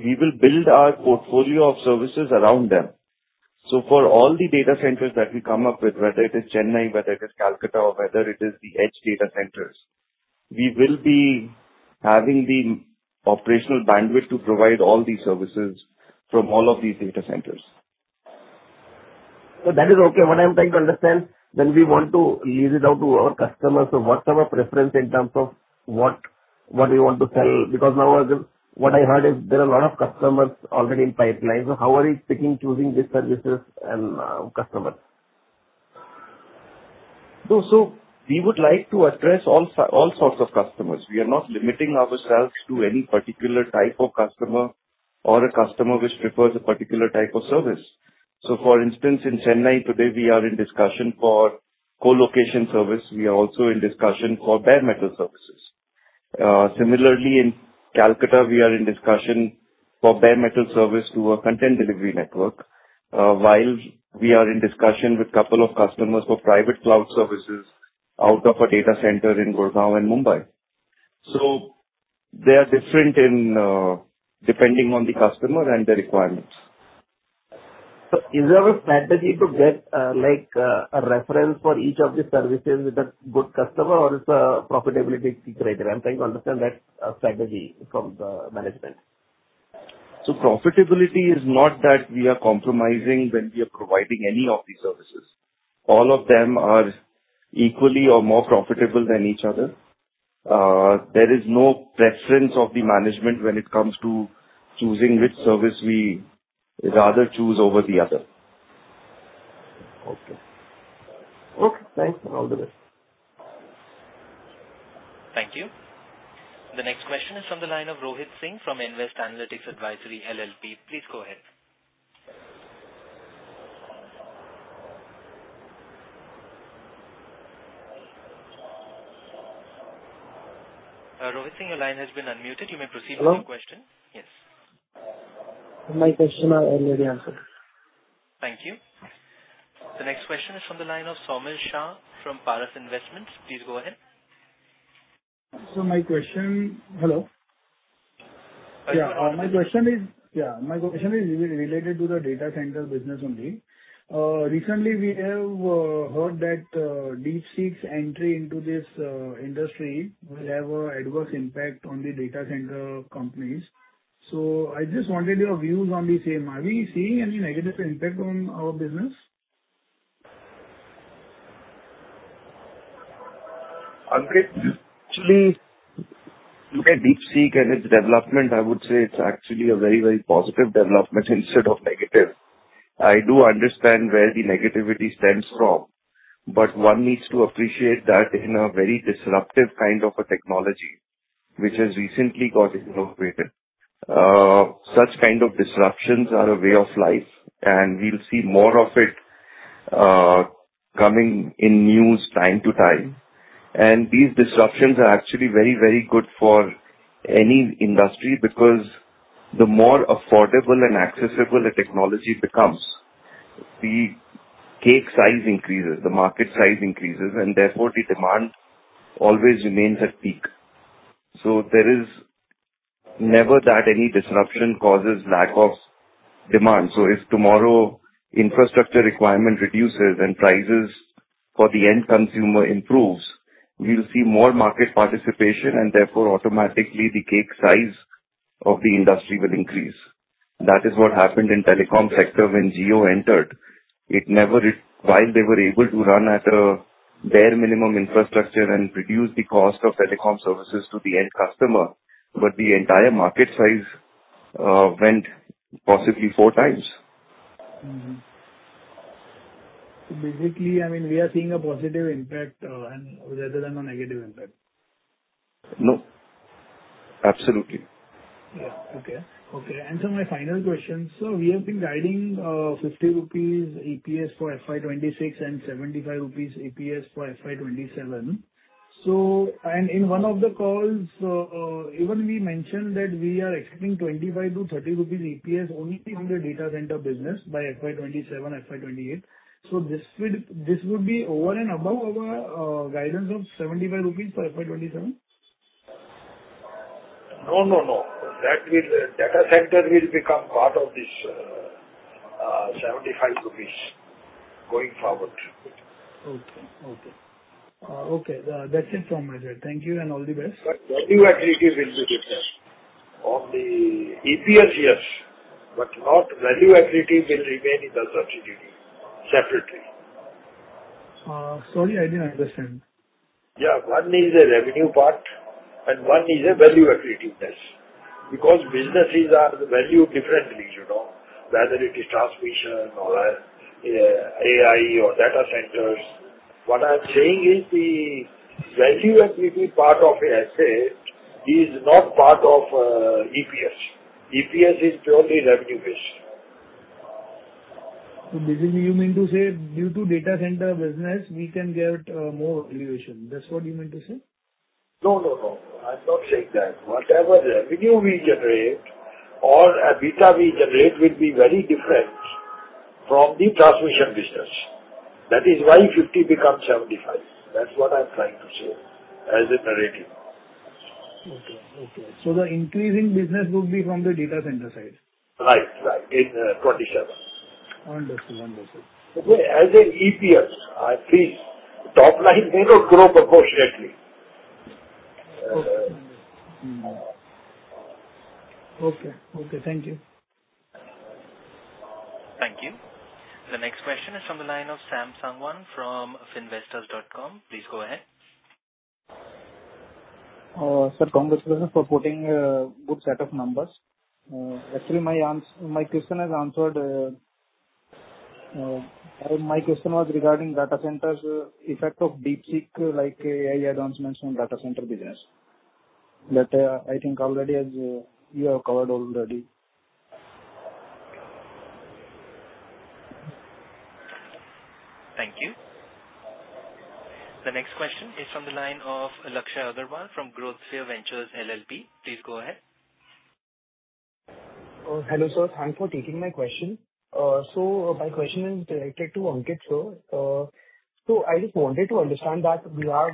we will build our portfolio of services around them. So for all the data centers that we come up with, whether it is Chennai, whether it is Kolkata, or whether it is the edge data centers, we will be having the operational bandwidth to provide all these services from all of these data centers. So that is okay. What I'm trying to understand, when we want to lease it out to our customers, so what's our preference in terms of what we want to sell? Because now, what I heard is there are a lot of customers already in pipeline. So how are you picking, choosing these services and customers? So we would like to address all sorts of customers. We are not limiting ourselves to any particular type of customer or a customer which prefers a particular type of service. So for instance, in Chennai today, we are in discussion for co-location service. We are also in discussion for bare metal services. Similarly, in Kolkata, we are in discussion for bare metal service to a content delivery network, while we are in discussion with a couple of customers for private cloud services out of a data center in Gurgaon and Mumbai. So they are different depending on the customer and the requirements. Is there a strategy to get a reference for each of these services with a good customer, or is it a profitability criteria? I'm trying to understand that strategy from the management. So profitability is not that we are compromising when we are providing any of these services. All of them are equally or more profitable than each other. There is no preference of the management when it comes to choosing which service we rather choose over the other. Okay. Okay. Thanks. I'll do that. Thank you. The next question is from the line of Rohit Singh from Nvest Analytics. Please go ahead. Rohit Singh, your line has been unmuted. You may proceed with your question. Yes. My question has already been answered. Thank you. The next question is from the line of Somil Shah from Paras Investments. Please go ahead. So my question is related to the data center business only. Recently, we have heard that DeepSeek's entry into this industry will have an adverse impact on the data center companies. So I just wanted your views on the same. Are we seeing any negative impact on our business? Ankit, actually, look at DeepSeek and its development. I would say it's actually a very, very positive development instead of negative. I do understand where the negativity stems from, but one needs to appreciate that in a very disruptive kind of a technology, which has recently gotten innovated. Such kind of disruptions are a way of life, and we'll see more of it coming in the news from time to time. And these disruptions are actually very, very good for any industry because the more affordable and accessible a technology becomes, the cake size increases, the market size increases, and therefore the demand always remains at peak. So there is never that any disruption causes lack of demand. So if tomorrow infrastructure requirement reduces and prices for the end consumer improves, we'll see more market participation, and therefore automatically the cake size of the industry will increase. That is what happened in the telecom sector when Jio entered. It never while they were able to run at a bare minimum infrastructure and reduce the cost of telecom services to the end customer, but the entire market size went possibly four times. Basically, I mean, we are seeing a positive impact rather than a negative impact. No. Absolutely. Yeah. Okay. Okay. And so my final question, sir, we have been guiding 50 rupees EPS for FY26 and 75 rupees EPS for FY27. And in one of the calls, even we mentioned that we are expecting 25-30 rupees EPS only on the data center business by FY27, FY28. So this would be over and above our guidance of 75 rupees Rs for FY27? No, no, no. Data center will become part of this 75 rupees going forward. Okay. Okay. Okay. That's it from my side. Thank you and all the best. Value equity will be different. On the EPS, yes, but not Equity Value will remain in the subsidiary separately. Sorry, I didn't understand. Yeah. One is a revenue part, and one is a Equity Value test. Because businesses are valued differently, whether it is transmission or AI or data centers. What I'm saying is the Equity Value part of it is not part of EPS. EPS is purely revenue-based. So basically, you mean to say due to data center business, we can get more valuation. That's what you meant to say? No, no, no. I'm not saying that. Whatever revenue we generate our EBITDA we generate will be very different from the transmission business. That is why 50 becomes 75. That's what I'm trying to say as a narrative. Okay. Okay. So the increasing business would be from the data center side. Right. Right. In 27. Understood. Understood. As an EPS, please, top line may not grow proportionately. Okay. Okay. Thank you. Thank you. The next question is from the line of [Sam Sangwan] from [Finvestors.com]. Please go ahead. Sir, congratulations for quoting a good set of numbers. Actually, my question is answered. My question was regarding data center effect of DeepSeek, like AI advancements in data center business. But I think already you have covered already. Thank you. The next question is from the line of Lakshay Agarwal from Growth Sphere Ventures LLP. Please go ahead. Hello, sir. Thanks for taking my question. My question is directed to Ankit, sir. I just wanted to understand that we have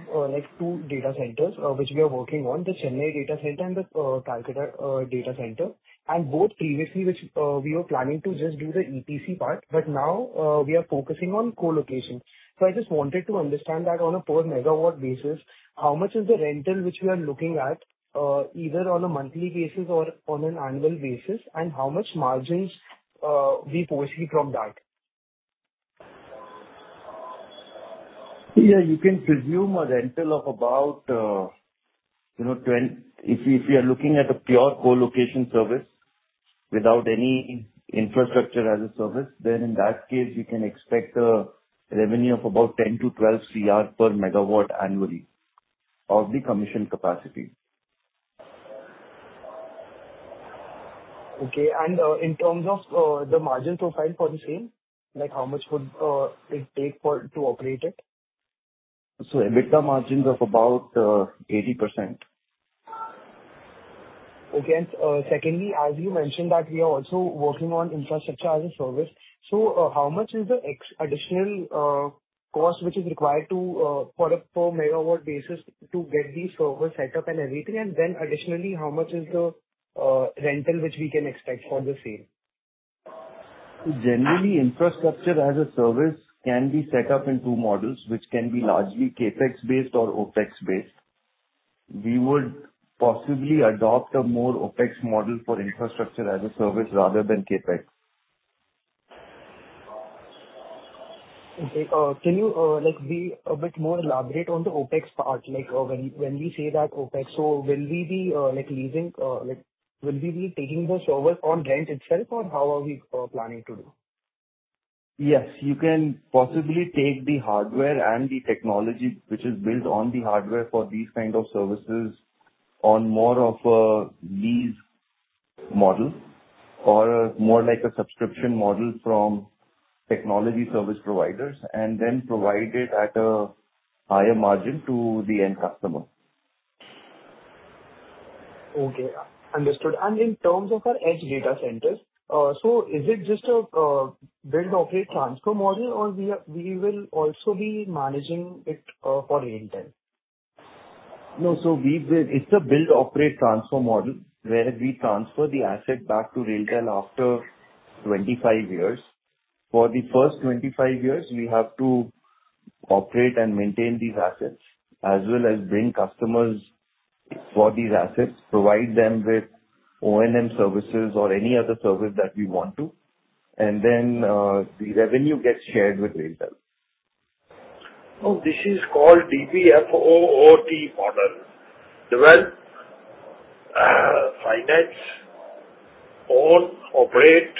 two data centers which we are working on, the Chennai data center and the Kolkata data center. And both previously, which we were planning to just do the EPC part, but now we are focusing on co-location. I just wanted to understand that on a per megawatt basis, how much is the rental which we are looking at, either on a monthly basis or on an annual basis, and how much margins we perceive from that? Yeah. You can presume a rental of about if you are looking at a pure co-location service without any infrastructure as a service, then in that case, we can expect a revenue of about 10 CR-INR 12 CR per MW annually of the commissioned capacity. Okay. In terms of the margin profile for the same, how much would it take to operate it? EBITDA margins of about 80%. Okay. Secondly, as you mentioned that we are also working on infrastructure as a service, so how much is the additional cost which is required for a per megawatt basis to get these servers set up and everything? Then additionally, how much is the rental which we can expect for the same? Generally, infrastructure as a service can be set up in two models, which can be largely CapEx-based or OpEx-based. We would possibly adopt a more OpEx model for infrastructure as a service rather than CapEx. Okay. Can you be a bit more elaborate on the OpEx part? When we say that OpEx, so will we be leasing? Will we be taking the servers on rent itself, or how are we planning to do? \Yes. You can possibly take the hardware and the technology which is built on the hardware for these kinds of services on more of a lease model or more like a subscription model from technology service providers, and then provide it at a higher margin to the end customer. Okay. Understood. And in terms of our edge data centers, so is it just a build-operate-transfer model, or we will also be managing it for RailTel? No, so it's a build-operate-transfer model where we transfer the asset back to RailTel after 25 years. For the first 25 years, we have to operate and maintain these assets as well as bring customers for these assets, provide them with O&M services or any other service that we want to, and then the revenue gets shared with RailTel. Oh, this is called DBFOT model. Develop, finance, own, operate,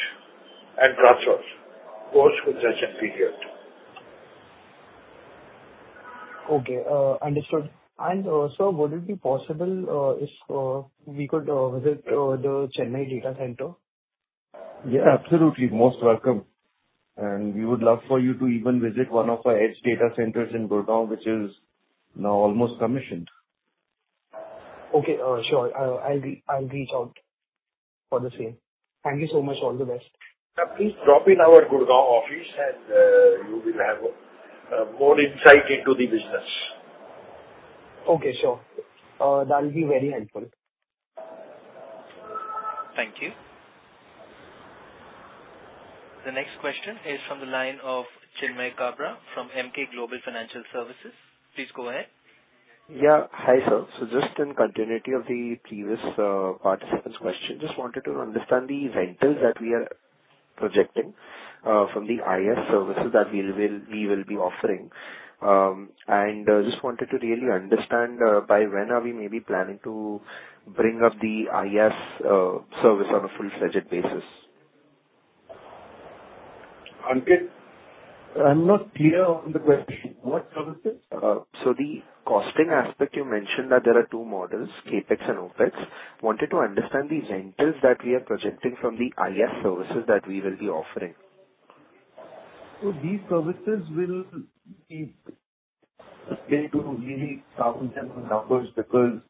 and transfer post-concession period. Okay. Understood. And sir, would it be possible if we could visit the Chennai data center? Yeah, absolutely. Most welcome. And we would love for you to even visit one of our edge data centers in Gurgaon, which is now almost commissioned. Okay. Sure. I'll reach out for the same. Thank you so much. All the best. Please drop in our Gurgaon office, and you will have more insight into the business. Okay. Sure. That will be very helpful. Thank you. The next question is from the line of Chinmay Kabra from Emkay Global Financial Services. Please go ahead. Yeah. Hi, sir. So just in continuity of the previous participant's question, just wanted to understand the rentals that we are projecting from the IaaS services that we will be offering. And just wanted to really understand by when are we maybe planning to bring up the IaaS service on a full-fledged basis. Ankit, I'm not clear on the question. What services? So the costing aspect, you mentioned that there are two models, CapEx and OpEx. Wanted to understand the rentals that we are projecting from the IaaS services that we will be offering. So these services will be difficult to really count in the numbers because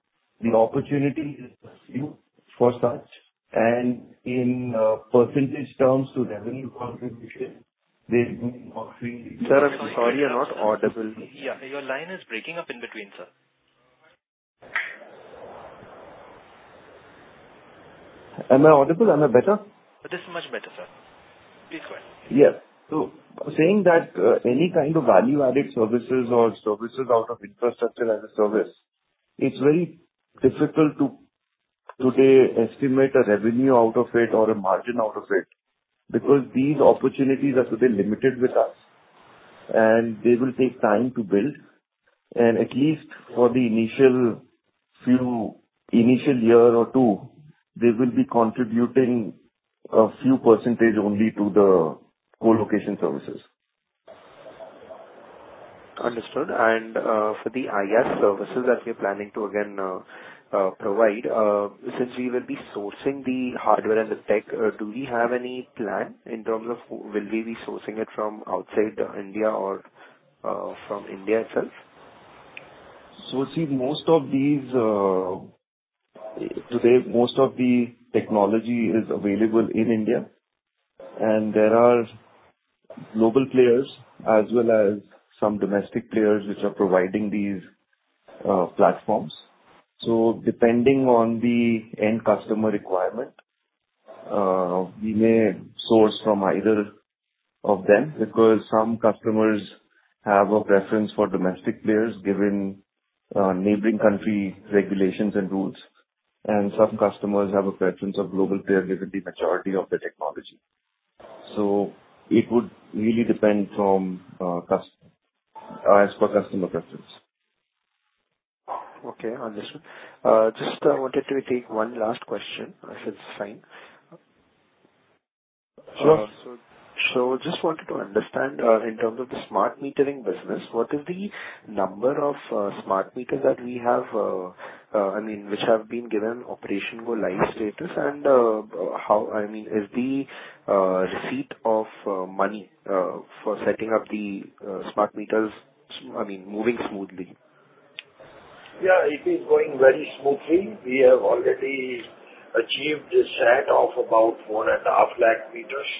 the opportunity is few for such. And in percentage terms to revenue contribution, they're being offering. Sir, I'm sorry, I'm not audible. Yeah. Your line is breaking up in between, sir. Am I audible? Am I better? This is much better, sir. Please go ahead. Yeah. So saying that any kind of value-added services or services out of infrastructure as a service, it's very difficult to today estimate a revenue out of it or a margin out of it because these opportunities are today limited with us. And they will take time to build. And at least for the initial few year or two, they will be contributing a few percentage only to the co-location services. Understood. And for the IaaS services that we are planning to, again, provide, since we will be sourcing the hardware and the tech, do we have any plan in terms of will we be sourcing it from outside India or from India itself? So, see, most of these today, most of the technology is available in India. And there are global players as well as some domestic players which are providing these platforms. So depending on the end customer requirement, we may source from either of them because some customers have a preference for domestic players given neighboring country regulations and rules. And some customers have a preference of global players given the majority of the technology. So it would really depend from as per customer preference. Okay. Understood. Just wanted to take one last question if it's fine. Sure. So just wanted to understand in terms of the smart metering business, what is the number of smart meters that we have, I mean, which have been given operation go live status, and how, I mean, is the receipt of money for setting up the smart meters, I mean, moving smoothly? Yeah. It is going very smoothly. We have already achieved a set of about one and a half lakh meters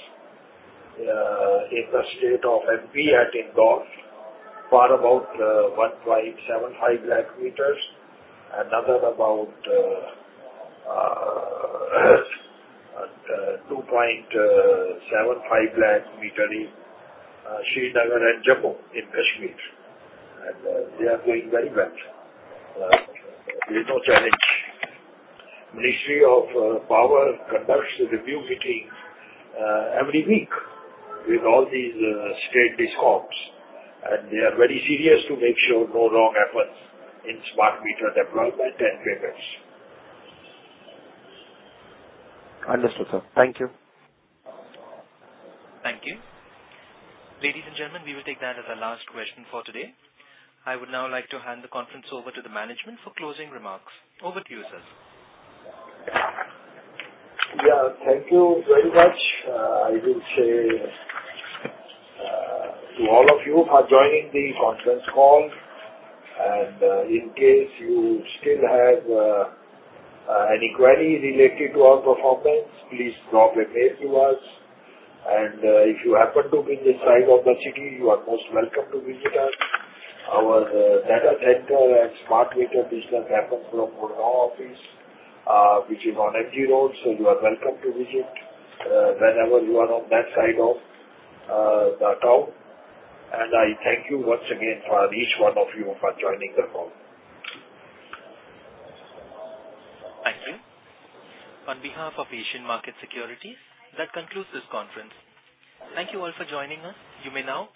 in the state of MP at Indore, for about 1.75 lakh meters, another about 2.75 lakh meters in Srinagar and Jammu and Kashmir. And they are doing very well. There is no challenge. Ministry of Power conducts review meetings every week with all these state DISCOMs. And they are very serious to make sure no wrong efforts in smart meter deployment and payments. Understood, sir. Thank you. Thank you. Ladies and gentlemen, we will take that as our last question for today. I would now like to hand the conference over to the management for closing remarks. Over to you, sir. Yeah. Thank you very much. I will say to all of you for joining the conference call. In case you still have any query related to our performance, please drop a mail to us. If you happen to be in the side of the city, you are most welcome to visit us. Our data center and smart meter business happens from Gurgaon office, which is on MG Road. You are welcome to visit whenever you are on that side of the town. I thank you once again for each one of you for joining the call. Thank you. On behalf of Asian Markets Securities, that concludes this conference. Thank you all for joining us. You may now.